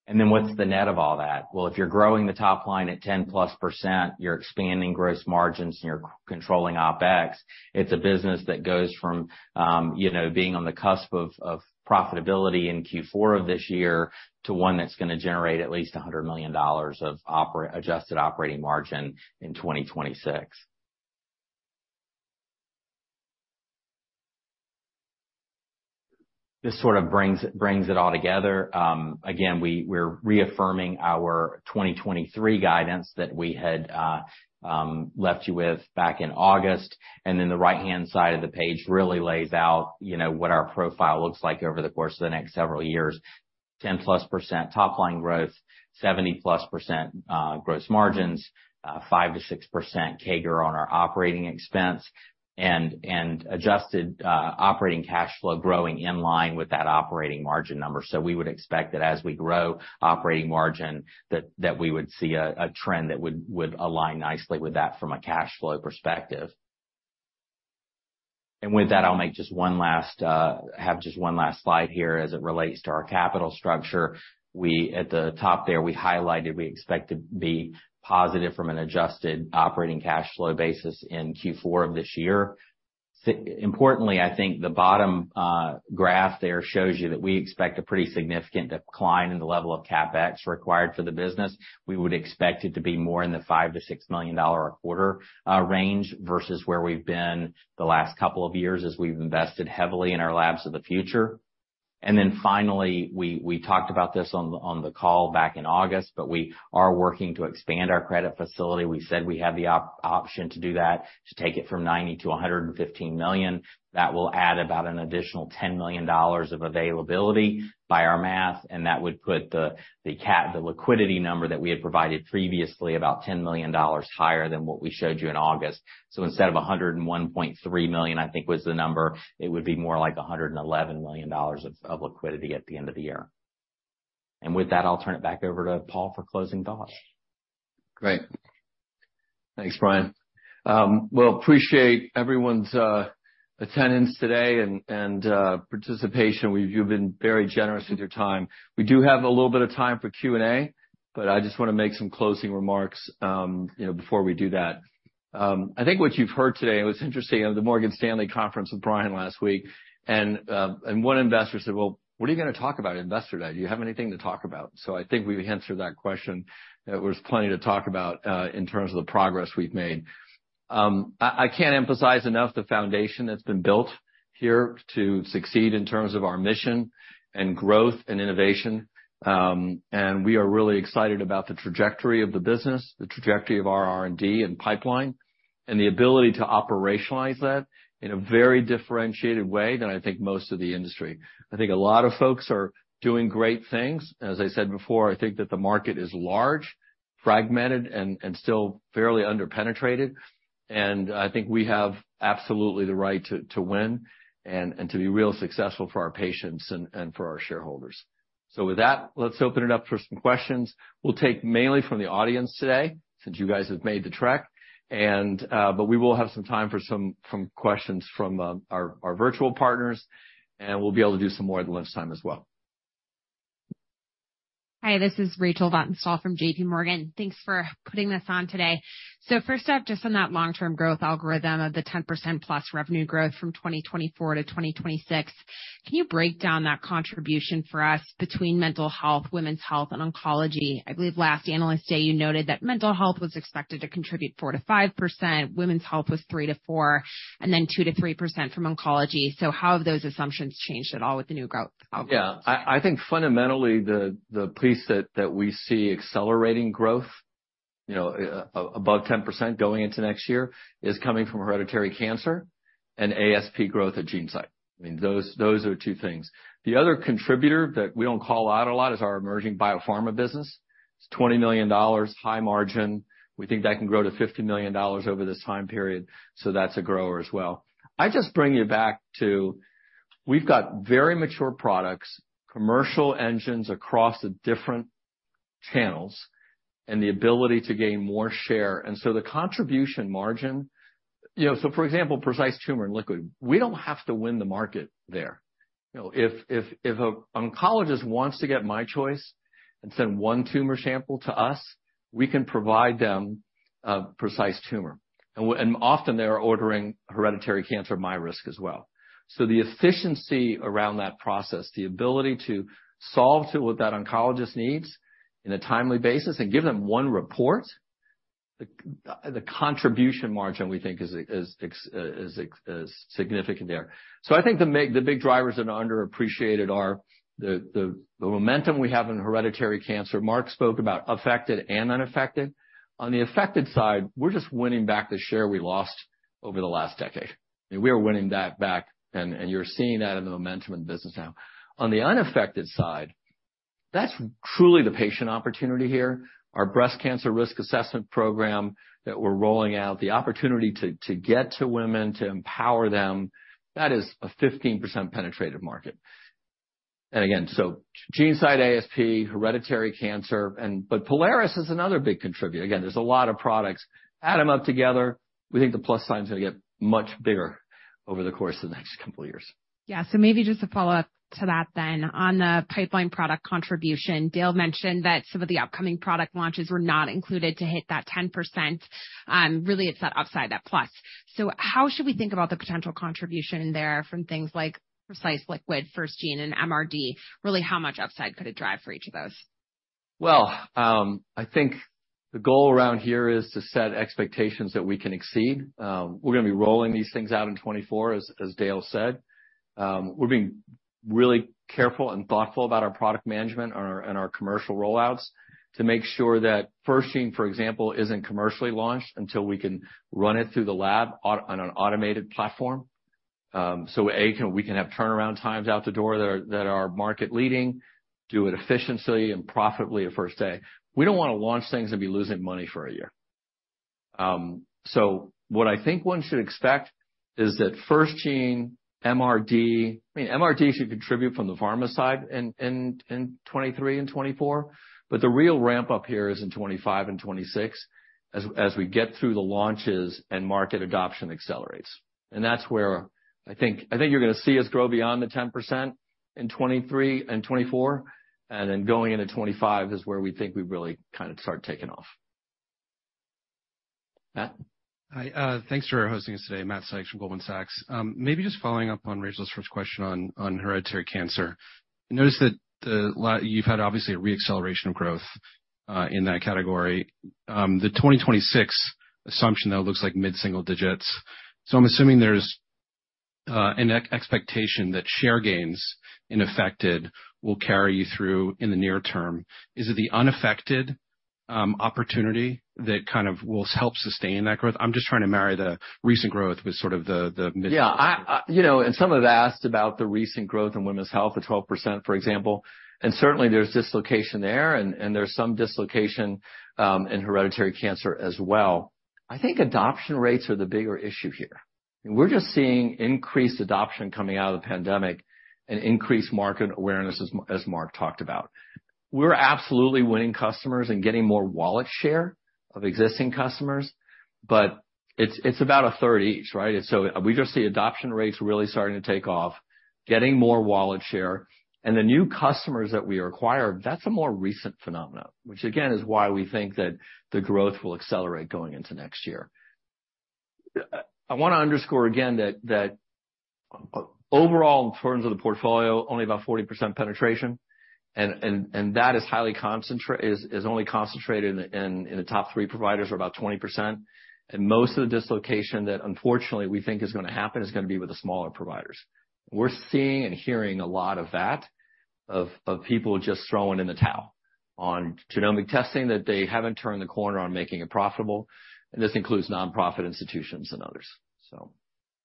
And then what's the net of all that? Well, if you're growing the top line at 10%+, you're expanding gross margins and you're controlling OpEx, it's a business that goes from, you know, being on the cusp of profitability in Q4 of this year, to one that's gonna generate at least $100 million of operating-adjusted operating margin in 2026. This sort of brings it all together. Again, we're reaffirming our 2023 guidance that we had left you with back in August. And then the right-hand side of the page really lays out, you know, what our profile looks like over the course of the next several years. 10%+ top line growth, 70%+ gross margins, 5%-6% CAGR on our operating expense, and, and adjusted operating cash flow growing in line with that operating margin number. So we would expect that as we grow operating margin, that, that we would see a, a trend that would, would align nicely with that from a cash flow perspective. And with that, I'll make just one last, have just one last slide here as it relates to our capital structure. We at the top there, we highlighted, we expect to be positive from an adjusted operating cash flow basis in Q4 of this year. Importantly, I think the bottom graph there shows you that we expect a pretty significant decline in the level of CapEx required for the business. We would expect it to be more in the $5 million-$6 million a quarter range, versus where we've been the last couple of years as we've invested heavily in our Labs of the Future. And then finally, we talked about this on the call back in August, but we are working to expand our credit facility. We said we have the option to do that, to take it from $90 million to $115 million. That will add about an additional $10 million of availability by our math, and that would put the liquidity number that we had provided previously about $10 million higher than what we showed you in August. So instead of $101.3 million, I think was the number, it would be more like $111 million of liquidity at the end of the year. And with that, I'll turn it back over to Paul for closing thoughts. Great. Thanks, Bryan. Well, appreciate everyone's attendance today and participation. You've been very generous with your time. We do have a little bit of time for Q&A, but I just wanna make some closing remarks, you know, before we do that. I think what you've heard today, and what's interesting, at the Morgan Stanley conference with Bryan last week, and one investor said: "Well, what are you gonna talk about at Investor Day? Do you have anything to talk about?" So I think we've answered that question. There was plenty to talk about, in terms of the progress we've made. I can't emphasize enough the foundation that's been built here to succeed in terms of our mission and growth and innovation. We are really excited about the trajectory of the business, the trajectory of our R&D and pipeline, and the ability to operationalize that in a very differentiated way than I think most of the industry. I think a lot of folks are doing great things. As I said before, I think that the market is large, fragmented, and still fairly underpenetrated. I think we have absolutely the right to win and to be real successful for our patients and for our shareholders. With that, let's open it up for some questions. We'll take mainly from the audience today, since you guys have made the trek, and we will have some time for some questions from our virtual partners, and we'll be able to do some more at the lunch time as well. Hi, this is Rachel Vatnsdal from JPMorgan. Thanks for putting this on today. First up, just on that long-term growth algorithm of the 10%+ revenue growth from 2024 to 2026, can you break down that contribution for us between mental health, women's health, and oncology? I believe last Analyst Day, you noted that mental health was expected to contribute 4%-5%, women's health was 3%-4%, and then 2%-3% from oncology. How have those assumptions changed at all with the new growth algorithm? Yeah. I think fundamentally, the piece that we see accelerating growth, you know, above 10% going into next year, is coming from hereditary cancer and ASP growth at GeneSight. I mean, those are two things. The other contributor that we don't call out a lot is our emerging biopharma business. It's $20 million, high margin. We think that can grow to $50 million over this time period, so that's a grower as well. I just bring you back to, we've got very mature products, commercial engines across the different channels, and the ability to gain more share. And so the contribution margin, you know, so for example, Precise Tumor and Liquid, we don't have to win the market there. You know, if an oncologist wants to get MyChoice and send one tumor sample to us, we can provide them a Precise Tumor. And often they are ordering hereditary cancer, MyRisk as well. So the efficiency around that process, the ability to solve to what that oncologist needs in a timely basis and give them one report, the contribution margin we think is significant there. So I think the big drivers that are underappreciated are the momentum we have in hereditary cancer. Mark spoke about affected and unaffected. On the affected side, we're just winning back the share we lost over the last decade. We are winning that back, and you're seeing that in the momentum in the business now. On the unaffected side, that's truly the patient opportunity here. Our breast cancer risk assessment program that we're rolling out, the opportunity to, to get to women, to empower them, that is a 15% penetrative market. Again, GeneSight ASP, hereditary cancer, and- but Prolaris is another big contributor. Again, there's a lot of products. Add them up together, we think the plus sign is gonna get much bigger over the course of the next couple of years. Yeah. So maybe just a follow-up to that then. On the pipeline product contribution, Dale mentioned that some of the upcoming product launches were not included to hit that 10%. Really, it's that upside, that plus. So how should we think about the potential contribution there from things like Precise Liquid, FirstGene, and MRD? Really, how much upside could it drive for each of those? Well, I think the goal around here is to set expectations that we can exceed. We're gonna be rolling these things out in 2024, as Dale said. We're being really careful and thoughtful about our product management and our commercial rollouts to make sure that FirstGene, for example, isn't commercially launched until we can run it through the lab on an automated platform. So, A, can we have turnaround times out the door that are market leading, do it efficiently and profitably at first day. We don't want to launch things and be losing money for a year. So what I think one should expect is that FirstGene, MRD, I mean, MRD should contribute from the pharma side in 2023 and 2024, but the real ramp up here is in 2025 and 2026 as we get through the launches and market adoption accelerates. And that's where I think you're gonna see us grow beyond the 10% in 2023 and 2024, and then going into 2025 is where we think we really kind of start taking off. Matt? Hi, thanks for hosting us today. Matt Sykes from Goldman Sachs. Maybe just following up on Rachel's first question on, on hereditary cancer. I noticed that you've had obviously a reacceleration of growth in that category. The 2026 assumption, though, looks like mid-single digits. So I'm assuming there's an expectation that share gains in affected will carry you through in the near term. Is it the unaffected opportunity that kind of will help sustain that growth? I'm just trying to marry the recent growth with sort of the, the mid- Yeah, You know, some have asked about the recent growth in women's health at 12%, for example, and certainly there's dislocation there, and there's some dislocation in hereditary cancer as well. I think adoption rates are the bigger issue here, and we're just seeing increased adoption coming out of the pandemic and increased market awareness as Mark talked about. We're absolutely winning customers and getting more wallet share of existing customers, but it's about a third each, right? So we just see adoption rates really starting to take off, getting more wallet share, and the new customers that we acquire, that's a more recent phenomenon. Which again, is why we think that the growth will accelerate going into next year. I want to underscore again that overall, in terms of the portfolio, only about 40% penetration, and that is highly concentrated only in the top three providers, about 20%. And most of the dislocation that unfortunately we think is gonna happen is gonna be with the smaller providers. We're seeing and hearing a lot of that, of people just throwing in the towel on genomic testing, that they haven't turned the corner on making it profitable, and this includes nonprofit institutions and others, so.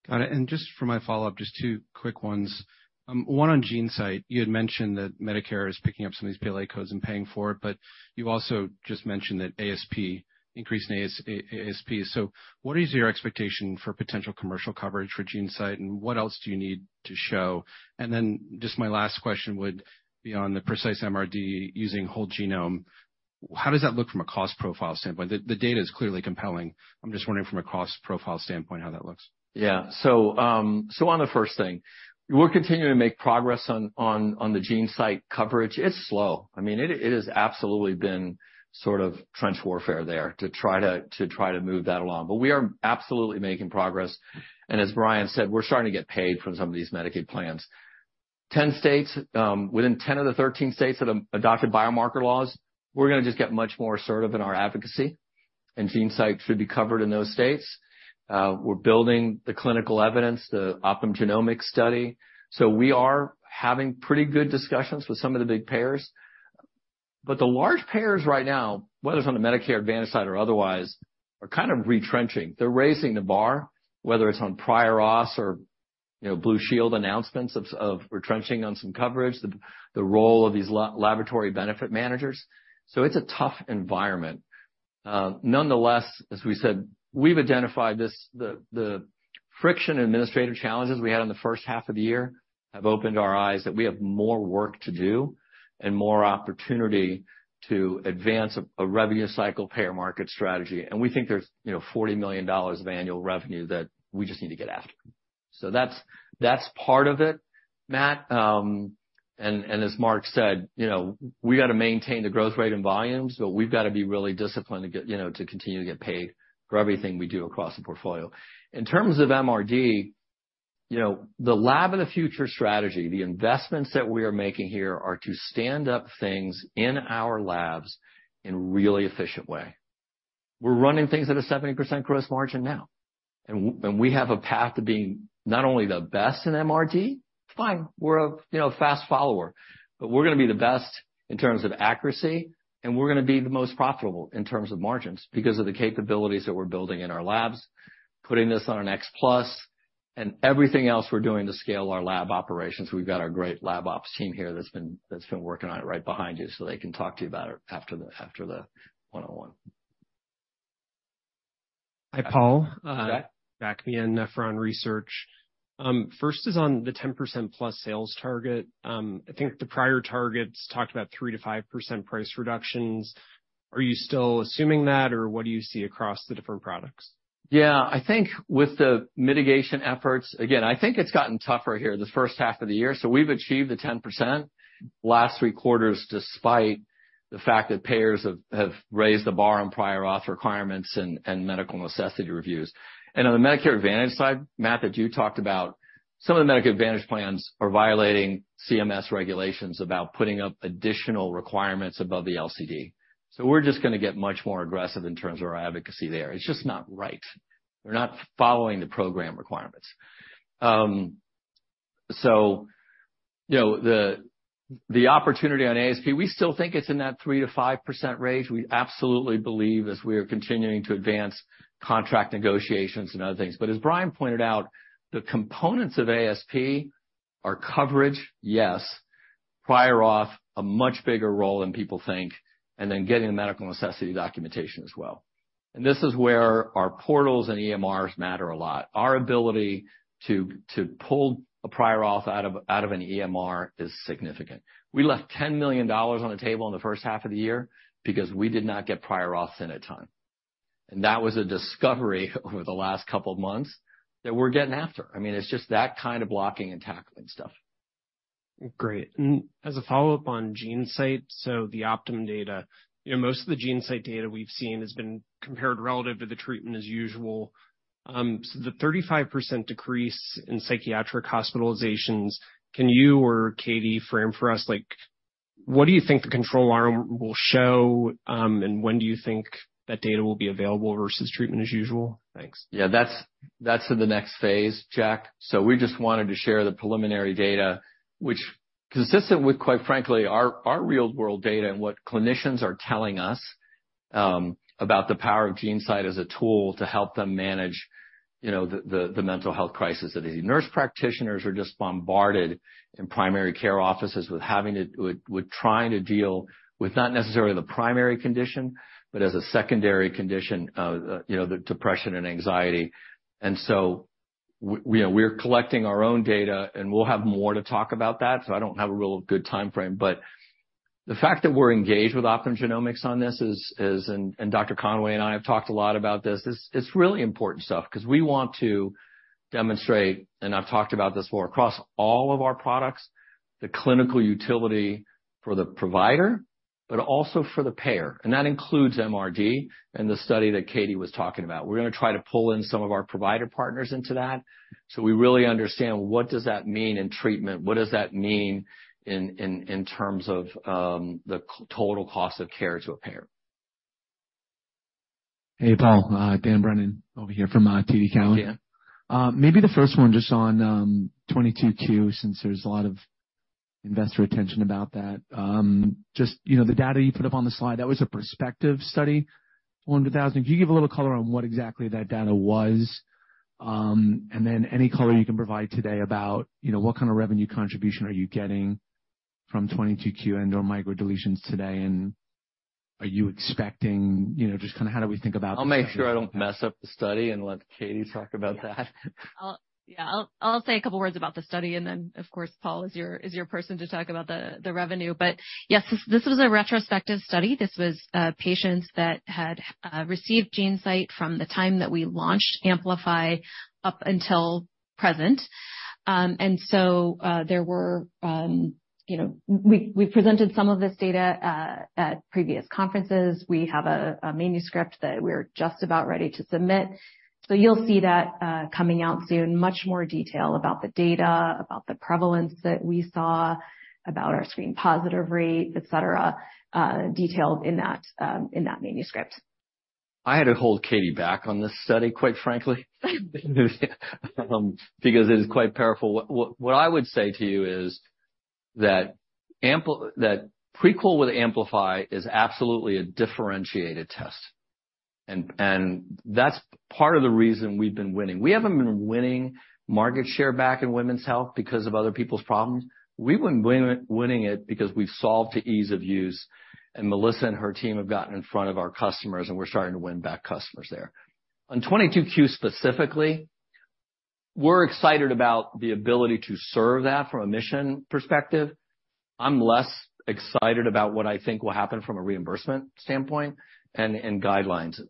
Got it. And just for my follow-up, just two quick ones. One on GeneSight. You had mentioned that Medicare is picking up some of these PLA codes and paying for it, but you also just mentioned that ASP, increase in ASP. So what is your expectation for potential commercial coverage for GeneSight, and what else do you need to show? And then just my last question would be on the Precise MRD using whole genome. How does that look from a cost profile standpoint? The data is clearly compelling. I'm just wondering from a cost profile standpoint, how that looks. Yeah. So, so on the first thing, we're continuing to make progress on, on, on the GeneSight coverage. It's slow. I mean, it, it has absolutely been sort of trench warfare there to try to, to try to move that along. But we are absolutely making progress. And as Brian said, we're starting to get paid from some of these Medicaid plans. 10 states, within 10 of the 13 states that have adopted biomarker laws, we're gonna just get much more assertive in our advocacy, and GeneSight should be covered in those states. We're building the clinical evidence, the Optum Genomics study, so we are having pretty good discussions with some of the big payers. But the large payers right now, whether it's on the Medicare Advantage side or otherwise, are kind of retrenching. They're raising the bar, whether it's on prior auth or, you know, Blue Shield announcements of retrenching on some coverage, the role of these laboratory benefit managers. So it's a tough environment. Nonetheless, as we said, we've identified this, the friction and administrative challenges we had in the first half of the year have opened our eyes, that we have more work to do and more opportunity to advance a revenue cycle payer market strategy. And we think there's, you know, $40 million of annual revenue that we just need to get after. So that's part of it, Matt. And as Mark said, you know, we got to maintain the growth rate and volumes, so we've got to be really disciplined to get, you know, to continue to get paid for everything we do across the portfolio. In terms of MRD, you know, the Lab of the Future strategy, the investments that we are making here are to stand up things in our labs in a really efficient way. We're running things at a 70% gross margin now, and we have a path to being not only the best in MRD, fine, we're a, you know, fast follower, but we're gonna be the best in terms of accuracy, and we're gonna be the most profitable in terms of margins because of the capabilities that we're building in our labs, putting this on our X Plus and everything else we're doing to scale our lab operations. We've got our great lab ops team here that's been working on it right behind you, so they can talk to you about it after the one-on-one. Hi, Paul. Zach? Jack Meehan, Nephron Research. First is on the 10%+ sales target. I think the prior targets talked about 3%-5% price reductions. Are you still assuming that, or what do you see across the different products? Yeah, I think with the mitigation efforts. Again, I think it's gotten tougher here the first half of the year. So we've achieved the 10% last three quarters, despite the fact that payers have raised the bar on prior auth requirements and medical necessity reviews. And on the Medicare Advantage side, Matt, that you talked about, some of the Medicare Advantage plans are violating CMS regulations about putting up additional requirements above the LCD. So we're just gonna get much more aggressive in terms of our advocacy there. It's just not right. They're not following the program requirements. So, you know, the opportunity on ASP, we still think it's in that 3%-5% range. We absolutely believe, as we are continuing to advance contract negotiations and other things. But as Bryan pointed out, the components of ASP are coverage, yes, prior auth, a much bigger role than people think, and then getting the medical necessity documentation as well. And this is where our portals and EMRs matter a lot. Our ability to, to pull a prior auth out of, out of an EMR is significant. We left $10 million on the table in the first half of the year because we did not get prior auths in a time, and that was a discovery over the last couple of months that we're getting after. I mean, it's just that kind of blocking and tackling stuff. Great. And as a follow-up on GeneSight, so the Optum data, you know, most of the GeneSight data we've seen has been compared relative to the treatment as usual. So the 35% decrease in psychiatric hospitalizations, can you or Katie frame for us, like, what do you think the control arm will show, and when do you think that data will be available versus treatment as usual? Thanks. Yeah, that's in the next phase, Jack. So we just wanted to share the preliminary data, which consistent with, quite frankly, our real world data and what clinicians are telling us about the power of GeneSight as a tool to help them manage, you know, the mental health crisis. That the nurse practitioners are just bombarded in primary care offices with having to—with trying to deal with not necessarily the primary condition, but as a secondary condition of, you know, the depression and anxiety. And so we are—we're collecting our own data, and we'll have more to talk about that, so I don't have a real good time frame. But the fact that we're engaged with Optum Genomics on this is—and Dr. Conway and I have talked a lot about this. It's really important stuff because we want to demonstrate, and I've talked about this more, across all of our products, the clinical utility for the provider, but also for the payer, and that includes MRD and the study that Katie was talking about. We're going to try to pull in some of our provider partners into that, so we really understand what does that mean in treatment? What does that mean in terms of the total cost of care to a payer? Hey, Paul. Dan Brennan over here from TD Cowen. Yeah. Maybe the first one, just on 22q, since there's a lot of investor attention about that. Just, you know, the data you put up on the slide, that was a prospective study on 1,000. Can you give a little color on what exactly that data was? And then any color you can provide today about, you know, what kind of revenue contribution are you getting from 22q and/or microdeletions today, and are you expecting... You know, just kind of how do we think about- I'll make sure I don't mess up the study and let Katie talk about that. Yeah, I'll say a couple words about the study, and then, of course, Paul is your person to talk about the revenue. But yes, this was a retrospective study. This was patients that had received GeneSight from the time that we launched Amplify up until present. And so, there were, you know, we presented some of this data at previous conferences. We have a manuscript that we're just about ready to submit, so you'll see that coming out soon. Much more detail about the data, about the prevalence that we saw, about our screen positive rate, et cetera, detailed in that manuscript. I had to hold Katie back on this study, quite frankly. Because it is quite powerful. What I would say to you is that Prequel with Amplify is absolutely a differentiated test, and that's part of the reason we've been winning. We haven't been winning market share back in women's health because of other people's problems. We've been winning it because we've solved the ease of use, and Melissa and her team have gotten in front of our customers, and we're starting to win back customers there. On 22q specifically, we're excited about the ability to serve that from a mission perspective. I'm less excited about what I think will happen from a reimbursement standpoint and guidelines.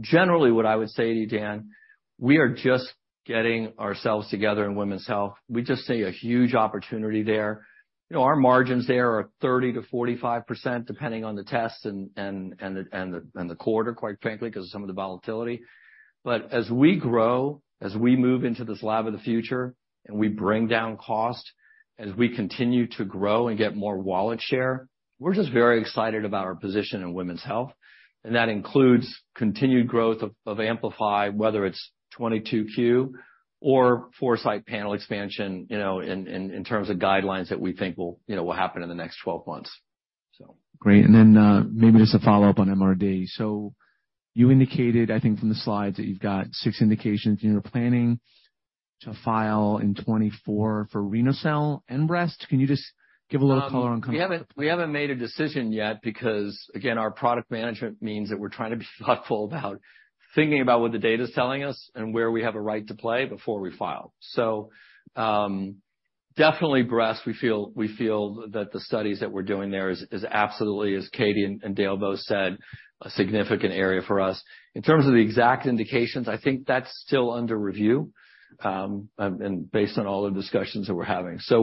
Generally, what I would say to you, Dan, we are just getting ourselves together in women's health. We just see a huge opportunity there. You know, our margins there are 30%-45%, depending on the test and the quarter, quite frankly, because of some of the volatility. But as we grow, as we move into this Lab of the Future, and we bring down cost, as we continue to grow and get more wallet share, we're just very excited about our position in women's health, and that includes continued growth of Amplify, whether it's 22q or Foresight panel expansion, you know, in terms of guidelines that we think will, you know, will happen in the next 12 months. So... Great. And then, maybe just a follow-up on MRD. So you indicated, I think, from the slides, that you've got six indications, and you're planning to file in 2024 for renal cell and breast. Can you just give a little color on- We haven't made a decision yet, because, again, our product management means that we're trying to be thoughtful about thinking about what the data's telling us and where we have a right to play before we file. So, definitely breast, we feel that the studies that we're doing there is absolutely, as Katie and Dale both said, a significant area for us. In terms of the exact indications, I think that's still under review, and based on all the discussions that we're having. So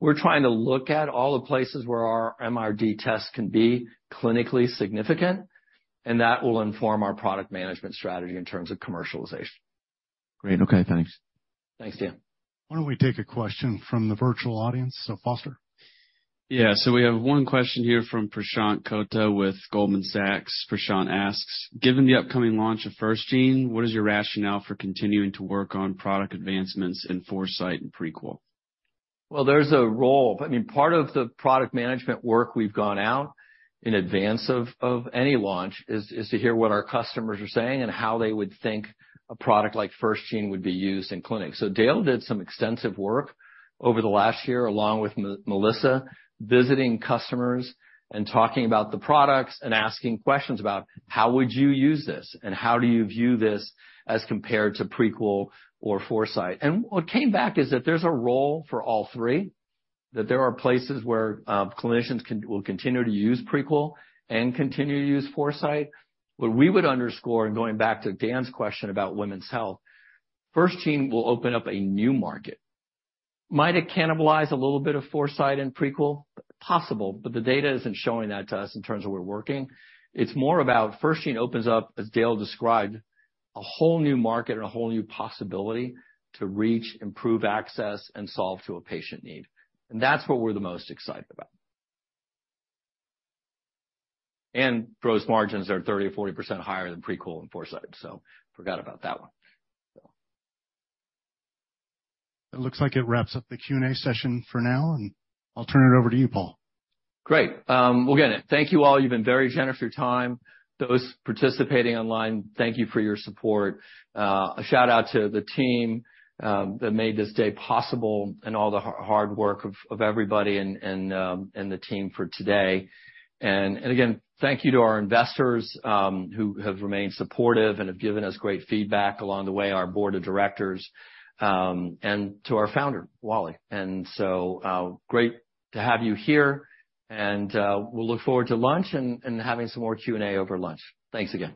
we're trying to look at all the places where our MRD tests can be clinically significant, and that will inform our product management strategy in terms of commercialization. Great. Okay, thanks. Thanks, Dan. Why don't we take a question from the virtual audience? So, Foster. Yeah, so we have one question here from Prashant Kulkarni with Goldman Sachs. Prashant asks: Given the upcoming launch of FirstGene, what is your rationale for continuing to work on product advancements in Foresight and Prequel? Well, there's a role. I mean, part of the product management work we've gone out in advance of any launch is to hear what our customers are saying and how they would think a product like FirstGene would be used in clinic. So Dale did some extensive work over the last year, along with Melissa, visiting customers and talking about the products and asking questions about: How would you use this? And how do you view this as compared to Prequel or Foresight? And what came back is that there's a role for all three, that there are places where clinicians will continue to use Prequel and continue to use Foresight. What we would underscore, and going back to Dan's question about women's health, FirstGene will open up a new market. Might it cannibalize a little bit of Foresight and Prequel? Possible, but the data isn't showing that to us in terms of where we're working. It's more about FirstGene opens up, as Dale described, a whole new market and a whole new possibility to reach, improve access, and solve to a patient need. And that's what we're the most excited about. And gross margins are 30%-40% higher than Prequel and Foresight, so forgot about that one, so. It looks like it wraps up the Q&A session for now, and I'll turn it over to you, Paul. Great. Well, again, thank you all. You've been very generous with your time. Those participating online, thank you for your support. A shout-out to the team that made this day possible and all the hard work of everybody and the team for today. Again, thank you to our investors who have remained supportive and have given us great feedback along the way, our board of directors, and to our founder, Wally. So, great to have you here, and we'll look forward to lunch and having some more Q&A over lunch. Thanks again.